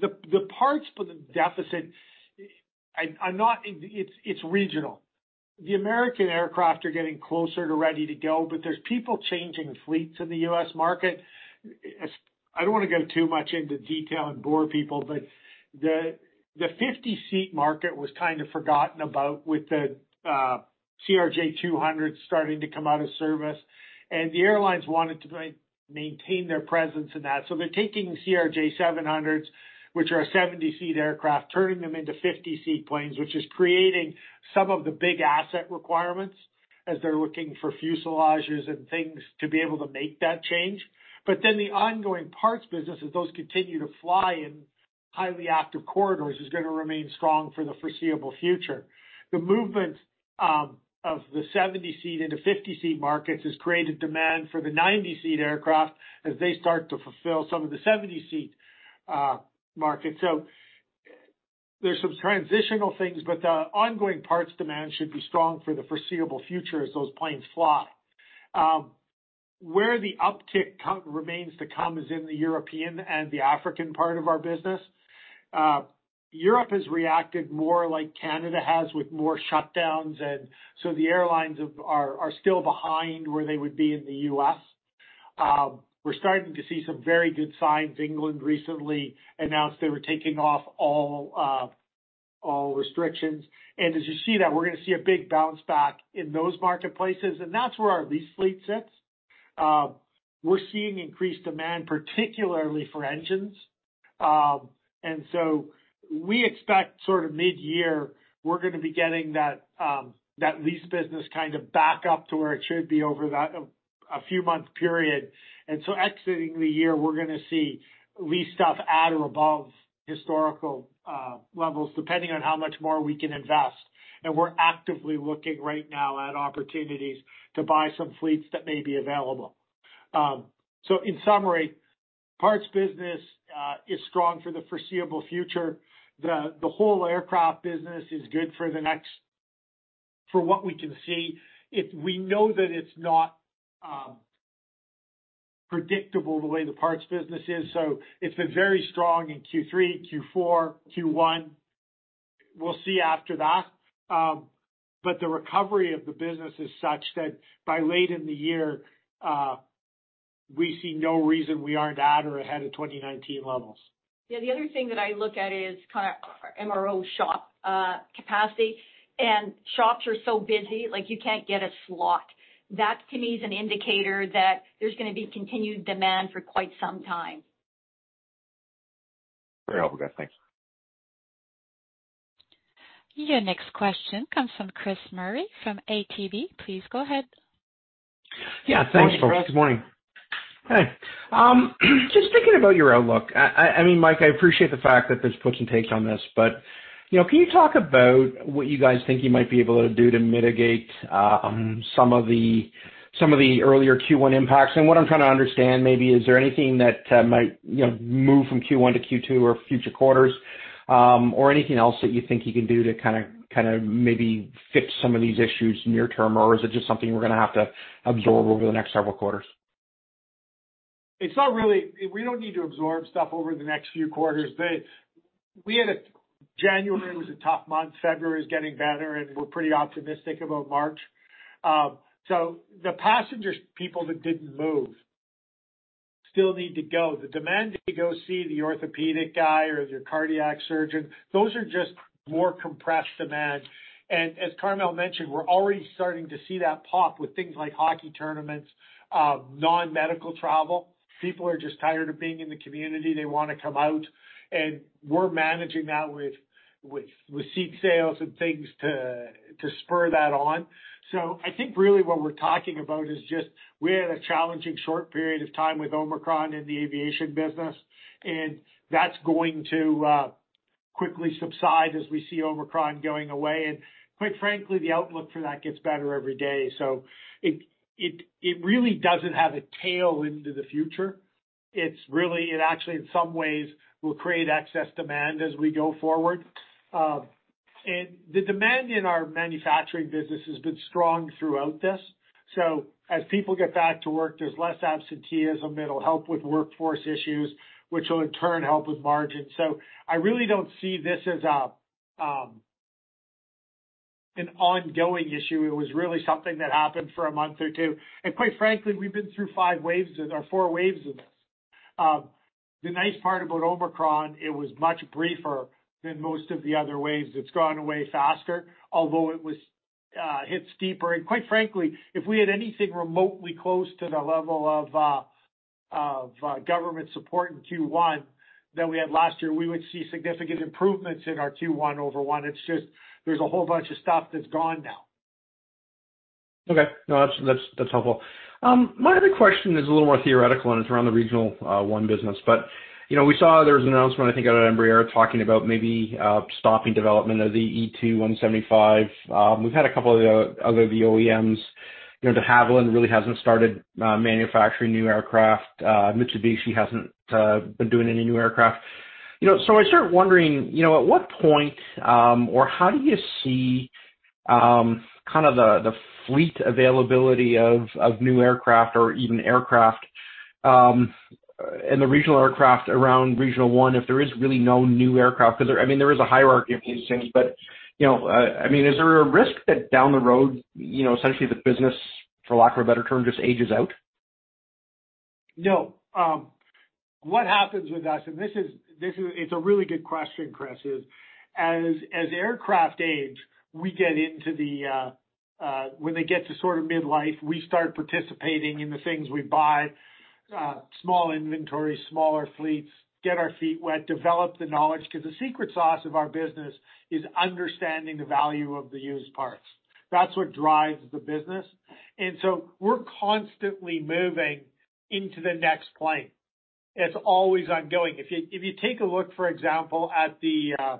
the parts for the deficit. It's regional. The American aircraft are getting closer to ready to go, but there's people changing fleets in the US market. I don't want to go too much into detail and bore people, but the 50-seat market was kind of forgotten about with the CRJ 200 starting to come out of service, and the airlines wanted to maintain their presence in that. They're taking CRJ 700s, which are a 70-seat aircraft, turning them into 50-seat planes, which is creating some of the big asset requirements as they're looking for fuselages and things to be able to make that change. The ongoing parts business, as those continue to fly in highly active corridors, is gonna remain strong for the foreseeable future. The movement of the 70-seat into 50-seat markets has created demand for the 90-seat aircraft as they start to fulfill some of the 70-seat markets. There's some transitional things, but the ongoing parts demand should be strong for the foreseeable future as those planes fly. Where the uptick count remains to come is in the European and the African part of our business. Europe has reacted more like Canada has with more shutdowns and so the airlines are still behind where they would be in the US. We're starting to see some very good signs. England recently announced they were taking off all restrictions. As you see that, we're gonna see a big bounce back in those marketplaces, and that's where our lease fleet sits. We're seeing increased demand, particularly for engines. We expect sort of mid-year, we're gonna be getting that lease business kind of back up to where it should be over a few months period. Exiting the year, we're gonna see lease stuff at or above historical levels, depending on how much more we can invest. We're actively looking right now at opportunities to buy some fleets that may be available. In summary, parts business is strong for the foreseeable future. The whole aircraft business is good for the next—for what we can see. We know that it's not predictable the way the parts business is, so it's been very strong in Q3, Q4, Q1. We'll see after that. But the recovery of the business is such that by late in the year, we see no reason we aren't at or ahead of 2019 levels.
Yeah. The other thing that I look at is kind of MRO shop, capacity, and shops are so busy, like, you can't get a slot. That, to me, is an indicator that there's gonna be continued demand for quite some time.
Very helpful, guys. Thanks.
Your next question comes from Chris Murray from ATB. Please go ahead.
Yeah. Thanks, folks. Good morning.
Hi, Chris.
Hey. Just thinking about your outlook. I mean, Mike, I appreciate the fact that there's puts and takes on this, but you know, can you talk about what you guys think you might be able to do to mitigate some of the earlier Q1 impacts? What I'm trying to understand maybe is there anything that might you know, move from Q1 to Q2 or future quarters, or anything else that you think you can do to kinda maybe fix some of these issues near term, or is it just something we're gonna have to absorb over the next several quarters?
We don't need to absorb stuff over the next few quarters. January was a tough month, February is getting better, and we're pretty optimistic about March. So the passengers, people that didn't move still need to go. The demand to go see the orthopedic guy or your cardiac surgeon, those are just more compressed demand. As Carmele mentioned, we're already starting to see that pop with things like hockey tournaments, non-medical travel. People are just tired of being in the community. They wanna come out, and we're managing that with seat sales and things to spur that on. I think really what we're talking about is just we had a challenging short period of time with Omicron in the aviation business, and that's going to quickly subside as we see Omicron going away. Quite frankly, the outlook for that gets better every day. It really doesn't have a tail into the future. It's really it actually in some ways will create excess demand as we go forward. The demand in our manufacturing business has been strong throughout this. As people get back to work, there's less absenteeism. It'll help with workforce issues, which will in turn help with margin. I really don't see this as an ongoing issue. It was really something that happened for a month or two. Quite frankly, we've been through five waves or four waves of this. The nice part about Omicron, it was much briefer than most of the other waves. It's gone away faster, although it was hit steeper. Quite frankly, if we had anything remotely close to the level of government support in Q1 that we had last year, we would see significant improvements in our Q1 over Q1. It's just there's a whole bunch of stuff that's gone now.
Okay. No, that's helpful. My other question is a little more theoretical, and it's around the Regional One business. You know, we saw there was an announcement, I think out of Embraer talking about maybe stopping development of the E175-E2. We've had a couple of the other OEMs. You know, De Havilland really hasn't started manufacturing new aircraft. Mitsubishi hasn't been doing any new aircraft. You know, so I start wondering, you know, at what point or how do you see kind of the fleet availability of new aircraft or even aircraft and the regional aircraft around Regional One if there is really no new aircraft? I mean, there is a hierarchy of these things, but, you know, I mean, is there a risk that down the road, you know, essentially the business, for lack of a better term, just ages out?
What happens with us, and this is, it's a really good question, Chris, is as aircraft age, we get into the. When they get to sort of midlife, we start participating in the things we buy, small inventory, smaller fleets, get our feet wet, develop the knowledge. 'Cause the secret sauce of our business is understanding the value of the used parts. That's what drives the business. We're constantly moving into the next plane. It's always ongoing. If you take a look, for example, at the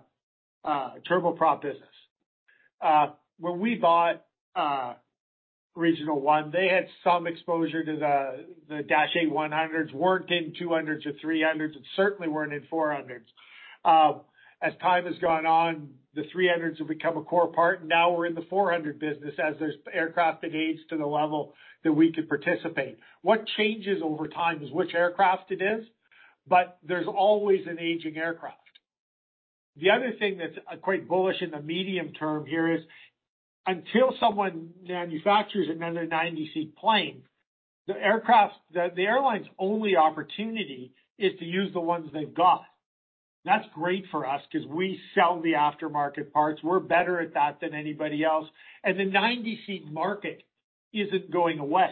turboprop business, when we bought Regional One, they had some exposure to the Dash 8-100s. Weren't in 200s or 300s, and certainly weren't in 400s. As time has gone on, the 300s have become a core part. Now we're in the 400 business as there's aircraft that age to the level that we could participate. What changes over time is which aircraft it is, but there's always an aging aircraft. The other thing that's quite bullish in the medium term here is, until someone manufactures another 90-seat plane, the airline's only opportunity is to use the ones they've got. That's great for us 'cause we sell the aftermarket parts. We're better at that than anybody else. The 90-seat market isn't going away.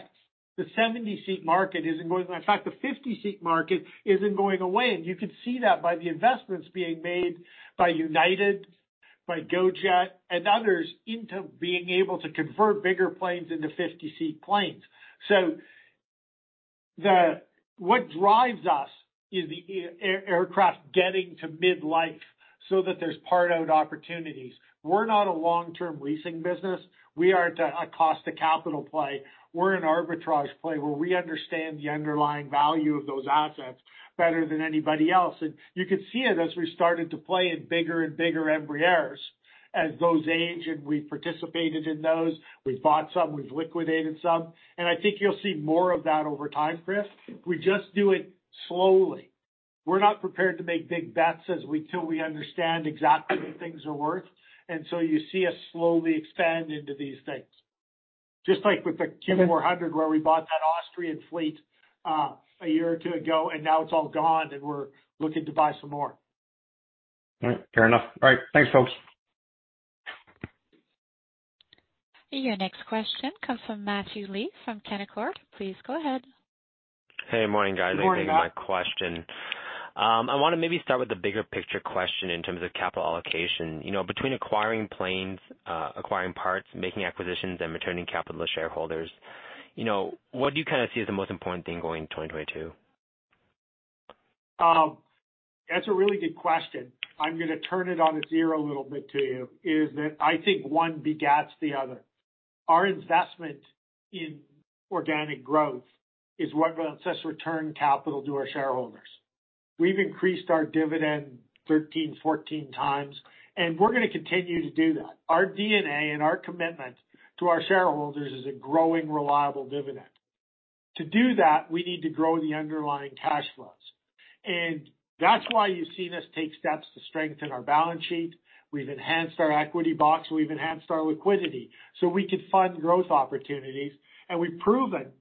The 70-seat market isn't going away. In fact, the 50-seat market isn't going away. You could see that by the investments being made by United, by GoJet, and others into being able to convert bigger planes into 50-seat planes. What drives us is the aircraft getting to midlife so that there's part out opportunities. We're not a long-term leasing business. We are a cost to capital play. We're an arbitrage play where we understand the underlying value of those assets better than anybody else. You could see it as we started to play in bigger and bigger Embraers. As those age, and we participated in those, we bought some, we've liquidated some. I think you'll see more of that over time, Chris. We just do it slowly. We're not prepared to make big bets as we till we understand exactly what things are worth. So you see us slowly expand into these things. Just like with the Q400 where we bought that Austrian fleet, a year or two ago, and now it's all gone, and we're looking to buy some more.
All right. Fair enough. All right. Thanks, folks.
Your next question comes from Matthew Lee from Canaccord. Please go ahead.
Hey, morning, guys.
Morning, Matt.
Thank you for taking my question. I wanna maybe start with the bigger picture question in terms of capital allocation. You know, between acquiring planes, acquiring parts, making acquisitions, and returning capital to shareholders, you know, what do you kinda see as the most important thing going into 2022?
That's a really good question. I'm gonna turn it on its ear a little bit to you, is that I think one begets the other. Our investment in organic growth is what lets us return capital to our shareholders. We've increased our dividend 13x, 14x, and we're gonna continue to do that. Our DNA and our commitment to our shareholders is a growing, reliable dividend. To do that, we need to grow the underlying cash flows. That's why you've seen us take steps to strengthen our balance sheet. We've enhanced our equity box, we've enhanced our liquidity so we could fund growth opportunities. We've proven,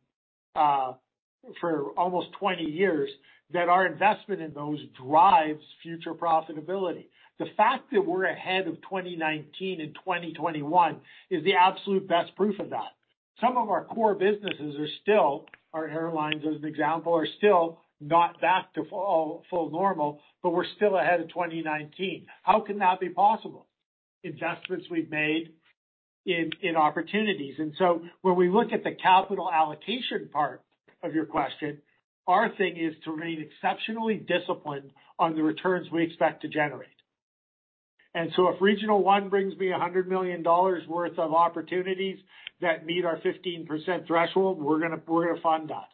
for almost 20 years that our investment in those drives future profitability. The fact that we're ahead of 2019 and 2021 is the absolute best proof of that. Some of our core businesses are still, our airlines, as an example, are still not back to full normal, but we're still ahead of 2019. How can that be possible? Investments we've made in opportunities. When we look at the capital allocation part of your question, our thing is to remain exceptionally disciplined on the returns we expect to generate. If Regional One brings me 100 million dollars worth of opportunities that meet our 15% threshold, we're gonna fund that.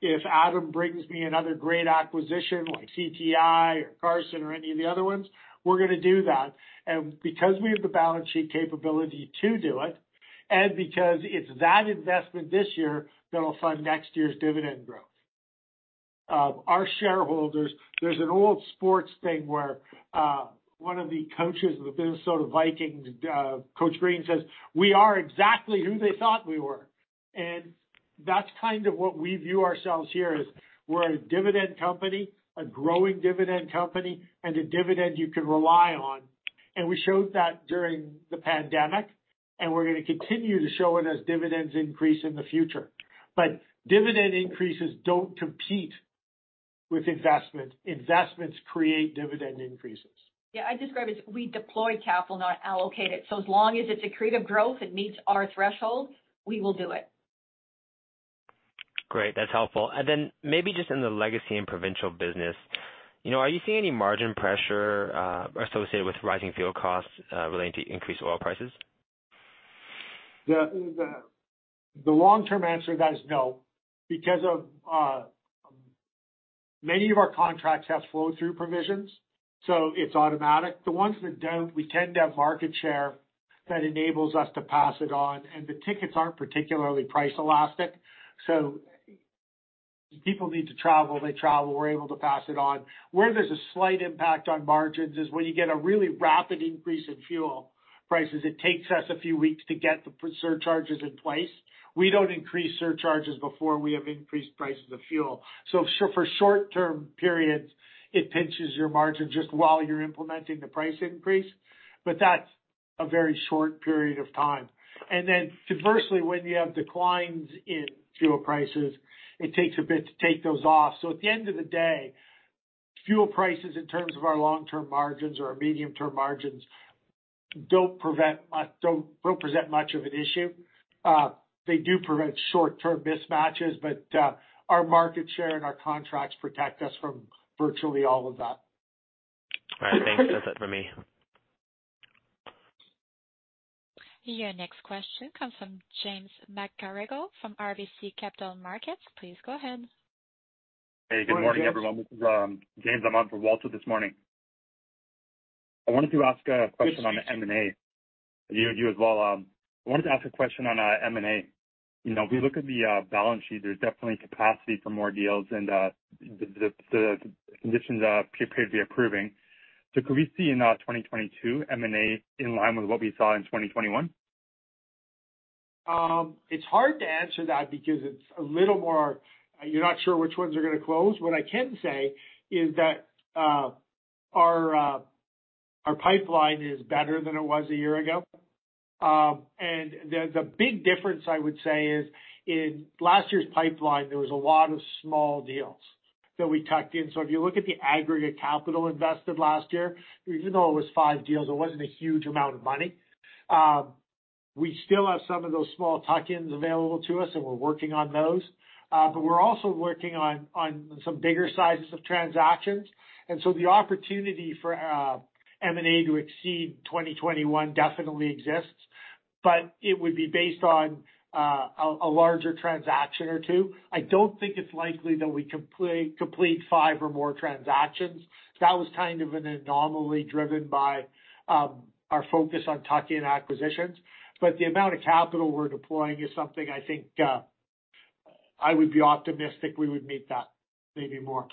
If Adam brings me another great acquisition like CTI or Carson or any of the other ones, we're gonna do that. Because we have the balance sheet capability to do it, and because it's that investment this year that'll fund next year's dividend growth. Our shareholders, there's an old sports thing where one of the coaches of the Minnesota Vikings, Dennis Green, says, "We are exactly who they thought we were." That's kind of what we view ourselves here as we're a dividend company, a growing dividend company, and a dividend you can rely on. We showed that during the pandemic, and we're gonna continue to show it as dividends increase in the future. Dividend increases don't compete with investment. Investments create dividend increases.
Yeah, I describe it as we deploy capital, not allocate it. As long as it's accretive growth, it meets our threshold, we will do it.
Great. That's helpful. Then maybe just in the Legacy and Provincial business, you know, are you seeing any margin pressure, associated with rising fuel costs, relating to increased oil prices?
The long-term answer to that is no because many of our contracts have flow-through provisions, so it's automatic. The ones that don't, we tend to have market share that enables us to pass it on, and the tickets aren't particularly price elastic. People need to travel, they travel, we're able to pass it on. Where there's a slight impact on margins is when you get a really rapid increase in fuel prices, it takes us a few weeks to get the surcharges in place. We don't increase surcharges before we have increased prices of fuel. For short-term periods, it pinches your margin just while you're implementing the price increase, but that's a very short period of time. Conversely, when you have declines in fuel prices, it takes a bit to take those off. At the end of the day, fuel prices in terms of our long-term margins or our medium-term margins don't present much of an issue. They do present short-term mismatches, but our market share and our contracts protect us from virtually all of that.
All right. Thanks. That's it for me.
Your next question comes from James McGarragle from RBC Capital Markets. Please go ahead.
Morning, James.
Hey, good morning, everyone. This is James McGarragle for Walter this morning. I wanted to ask a question on the M&A.
Good. She can hear.
You as well. I wanted to ask a question on M&A. You know, if we look at the balance sheet, there's definitely capacity for more deals and the conditions appear to be approving. Could we see in 2022 M&A in line with what we saw in 2021?
It's hard to answer that because it's a little more, you're not sure which ones are gonna close. What I can say is that our pipeline is better than it was a year ago. The big difference I would say is in last year's pipeline, there was a lot of small deals that we tucked in. If you look at the aggregate capital invested last year, even though it was five deals, it wasn't a huge amount of money. We still have some of those small tuck-ins available to us, and we're working on those. We're also working on some bigger sizes of transactions. The opportunity for M&A to exceed 2021 definitely exists, but it would be based on a larger transaction or two. I don't think it's likely that we complete five or more transactions. That was kind of an anomaly driven by our focus on tuck-in acquisitions. The amount of capital we're deploying is something I think I would be optimistic we would meet that, maybe more.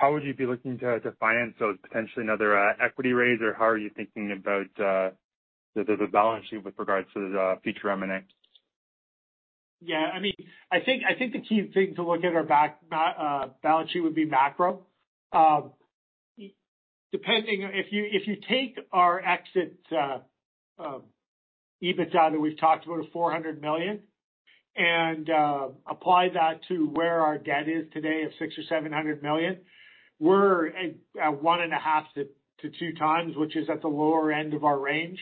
How would you be looking to finance those, potentially another equity raise, or how are you thinking about the balance sheet with regards to the future M&A?
I mean, I think the key thing to look at is our balance sheet from a macro perspective. If you take our exit EBITDA that we've talked about of 400 million and apply that to where our debt is today of 600 million-700 million, we're at 1.5x-2x, which is at the lower end of our range.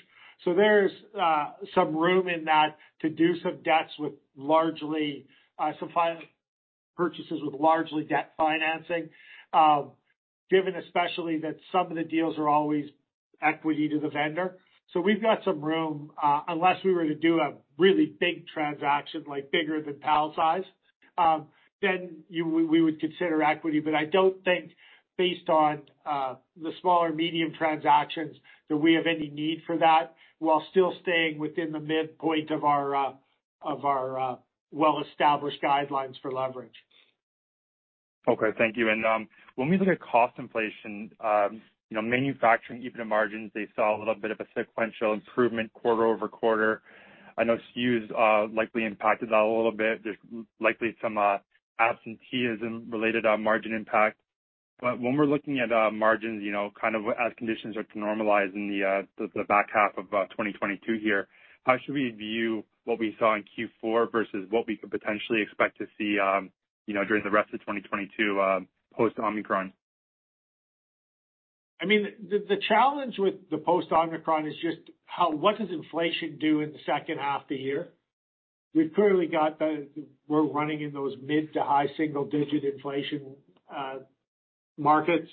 There's some room in that to do some deals with largely some purchases with largely debt financing, given especially that some of the deals are always equity to the vendor. We've got some room, unless we were to do a really big transaction, like bigger than PAL size, we would consider equity. But I don't think based on the smaller medium transactions that we have any need for that, while still staying within the midpoint of our well-established guidelines for leverage.
Okay. Thank you. When we look at cost inflation, you know, manufacturing EBITDA margins, they saw a little bit of a sequential improvement quarter-over-quarter. I know SKUs likely impacted that a little bit. There's likely some absenteeism related margin impact. But when we're looking at margins, you know, kind of as conditions are to normalize in the back half of 2022 here, how should we view what we saw in Q4 versus what we could potentially expect to see, you know, during the rest of 2022, post Omicron?
I mean, the challenge with the post-Omicron is just how—what does inflation do in the second half of the year? We've clearly got the. We're running in those mid- to high-single-digit inflation markets.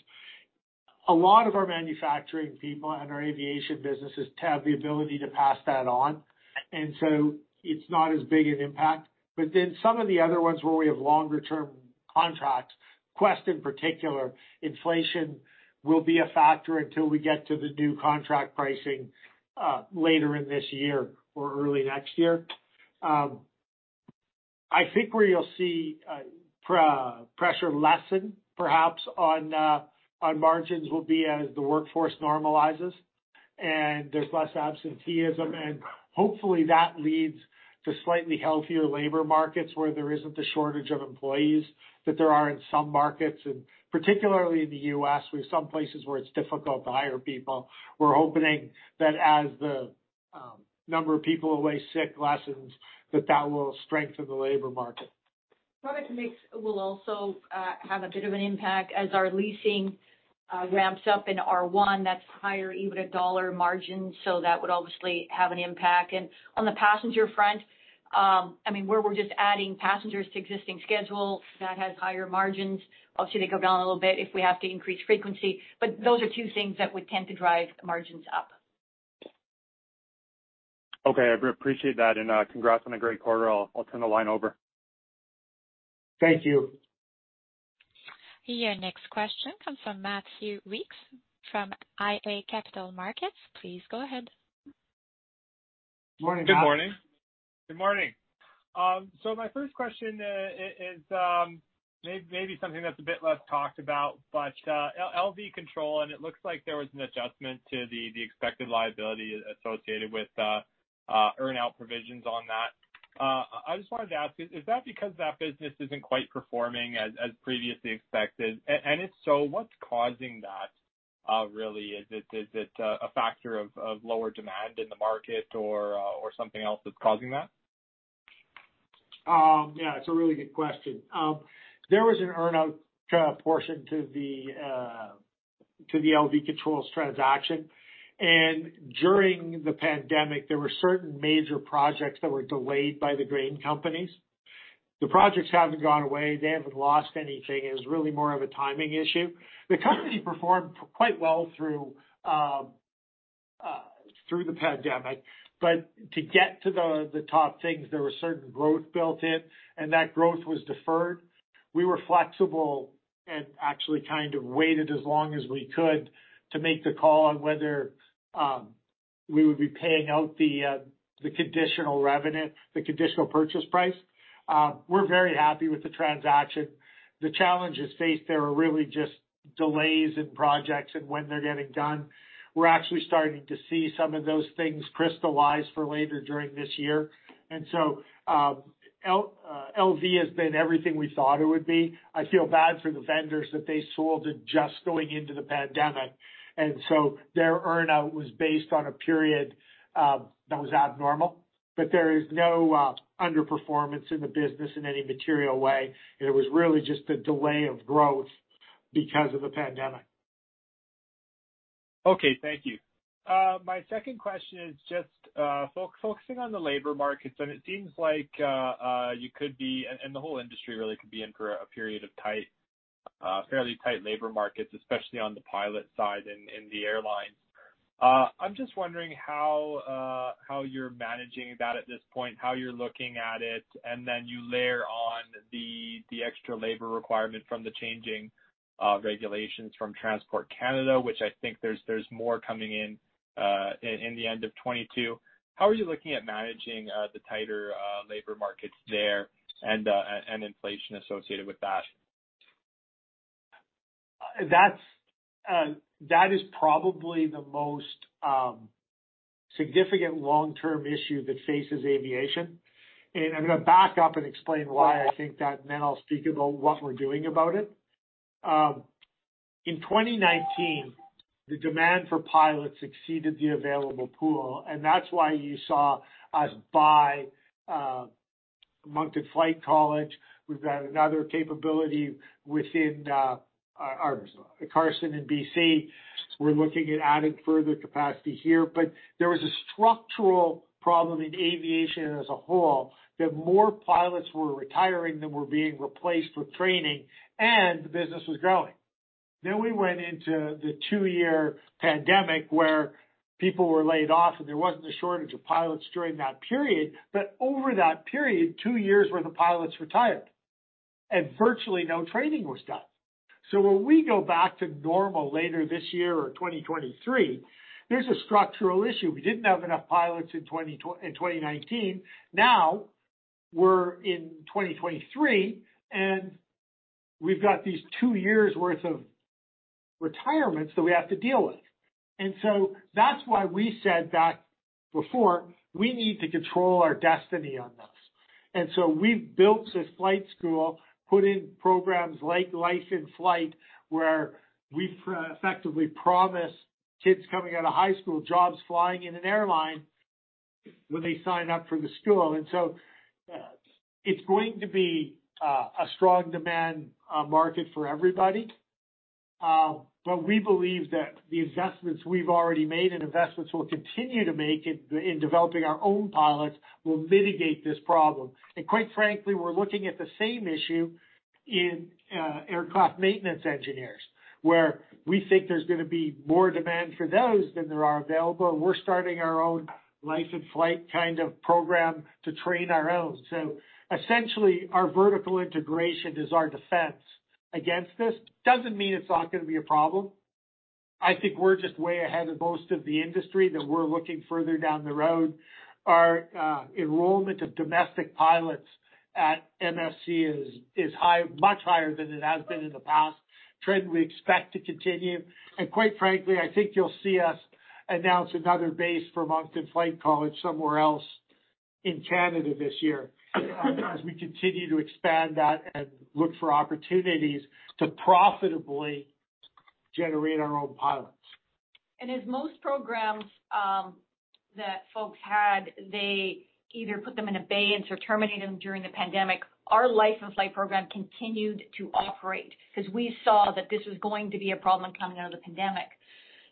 A lot of our manufacturing people and our aviation businesses have the ability to pass that on, and so it's not as big an impact. But then some of the other ones where we have longer-term contracts, Quest in particular, inflation will be a factor until we get to the new contract pricing later in this year or early next year. I think where you'll see pressure lessen perhaps on margins will be as the workforce normalizes and there's less absenteeism, and hopefully that leads to slightly healthier labor markets where there isn't the shortage of employees that there are in some markets. Particularly in the US, we have some places where it's difficult to hire people. We're hoping that as the number of people away sick lessens, that will strengthen the labor market.
Product mix will also have a bit of an impact. As our leasing ramps up in R1, that's higher EBITDA dollar margin, so that would obviously have an impact. On the passenger front, I mean, where we're just adding passengers to existing schedule, that has higher margins. Obviously, they go down a little bit if we have to increase frequency, those are two things that would tend to drive margins up.
Okay. I appreciate that, and congrats on a great quarter. I'll turn the line over.
Thank you.
Your next question comes from Matthew Weekes from iA Capital Markets. Please go ahead.
Morning, Matt.
Good morning.
Good morning. My first question is maybe something that's a bit less talked about, but LV Control, and it looks like there was an adjustment to the expected liability associated with earn-out provisions on that. I just wanted to ask, is that because that business isn't quite performing as previously expected? If so, what's causing that really? Is it a factor of lower demand in the market or something else that's causing that?
Yeah, it's a really good question. There was an earn-out portion to the LV Control transaction. During the pandemic, there were certain major projects that were delayed by the grain companies. The projects haven't gone away. They haven't lost anything. It was really more of a timing issue. The company performed quite well through the pandemic. To get to the top things, there were certain growth built in, and that growth was deferred. We were flexible and actually kind of waited as long as we could to make the call on whether we would be paying out the conditional revenue, the conditional purchase price. We're very happy with the transaction. The challenges faced there are really just delays in projects and when they're getting done. We're actually starting to see some of those things crystallize for later during this year. LV has been everything we thought it would be. I feel bad for the vendors that they sold it just going into the pandemic. Their earn-out was based on a period that was abnormal. There is no underperformance in the business in any material way. It was really just a delay of growth because of the pandemic.
Okay. Thank you. My second question is just focusing on the labor markets, and it seems like you could be and the whole industry really could be in for a period of tight, fairly tight labor markets, especially on the pilot side in the airlines. I'm just wondering how you're managing that at this point, how you're looking at it, and then you layer on the extra labor requirement from the changing regulations from Transport Canada, which I think there's more coming in the end of 2022. How are you looking at managing the tighter labor markets there and inflation associated with that?
That is probably the most significant long-term issue that faces aviation. I'm gonna back up and explain why I think that, and then I'll speak about what we're doing about it. In 2019, the demand for pilots exceeded the available pool, and that's why you saw us buy Moncton Flight College. We've got another capability within our Carson Air in BC. We're looking at adding further capacity here. There was a structural problem in aviation as a whole, that more pilots were retiring than were being replaced with training, and the business was growing. We went into the two-year pandemic where people were laid off and there wasn't a shortage of pilots during that period. Over that period, two years where the pilots retired and virtually no training was done. When we go back to normal later this year or 2023, there's a structural issue. We didn't have enough pilots in 2019. Now we're in 2023, and we've got these two years' worth of retirements that we have to deal with. That's why we said back before, we need to control our destiny on this. We've built this flight school, put in programs like Life in Flight, where we effectively promise kids coming out of high school jobs flying in an airline when they sign up for the school. It's going to be a strong demand market for everybody. But we believe that the investments we've already made and investments we'll continue to make in developing our own pilots will mitigate this problem. Quite frankly, we're looking at the same issue in aircraft maintenance engineers, where we think there's gonna be more demand for those than there are available. We're starting our own Life in Flight kind of program to train our own. Essentially, our vertical integration is our defense against this. Doesn't mean it's not gonna be a problem. I think we're just way ahead of most of the industry, that we're looking further down the road. Our enrollment of domestic pilots at MFC is high, much higher than it has been in the past. Trend we expect to continue. Quite frankly, I think you'll see us announce another base for Moncton Flight College somewhere else in Canada this year as we continue to expand that and look for opportunities to profitably generate our own pilots.
As most programs that folks had, they either put them in abeyance or terminated them during the pandemic, our Life in Flight program continued to operate 'cause we saw that this was going to be a problem coming out of the pandemic.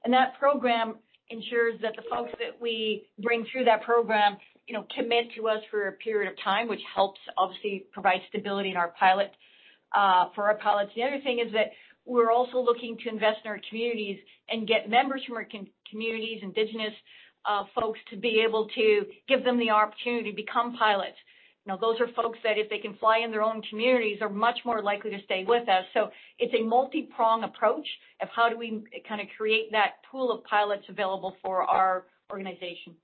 That program ensures that the folks that we bring through that program, you know, commit to us for a period of time, which helps obviously provide stability in our pilot, for our pilots. The other thing is that we're also looking to invest in our communities and get members from our communities, indigenous, folks, to be able to give them the opportunity to become pilots. Now, those are folks that if they can fly in their own communities, are much more likely to stay with us. It's a multi-pronged approach of how do we kinda create that pool of pilots available for our organization.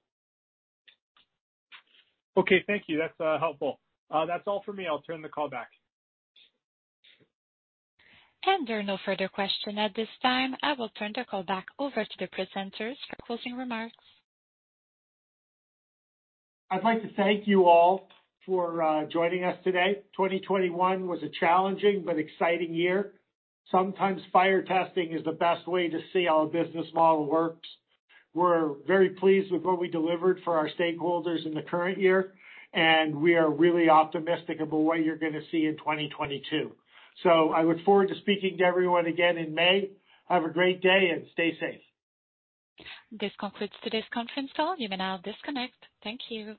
Okay. Thank you. That's helpful. That's all for me. I'll turn the call back.
There are no further questions at this time. I will turn the call back over to the presenters for closing remarks.
I'd like to thank you all for joining us today. 2021 was a challenging but exciting year. Sometimes fire testing is the best way to see how a business model works. We're very pleased with what we delivered for our stakeholders in the current year, and we are really optimistic about what you're gonna see in 2022. I look forward to speaking to everyone again in May. Have a great day and stay safe.
This concludes today's conference call. You may now disconnect. Thank you.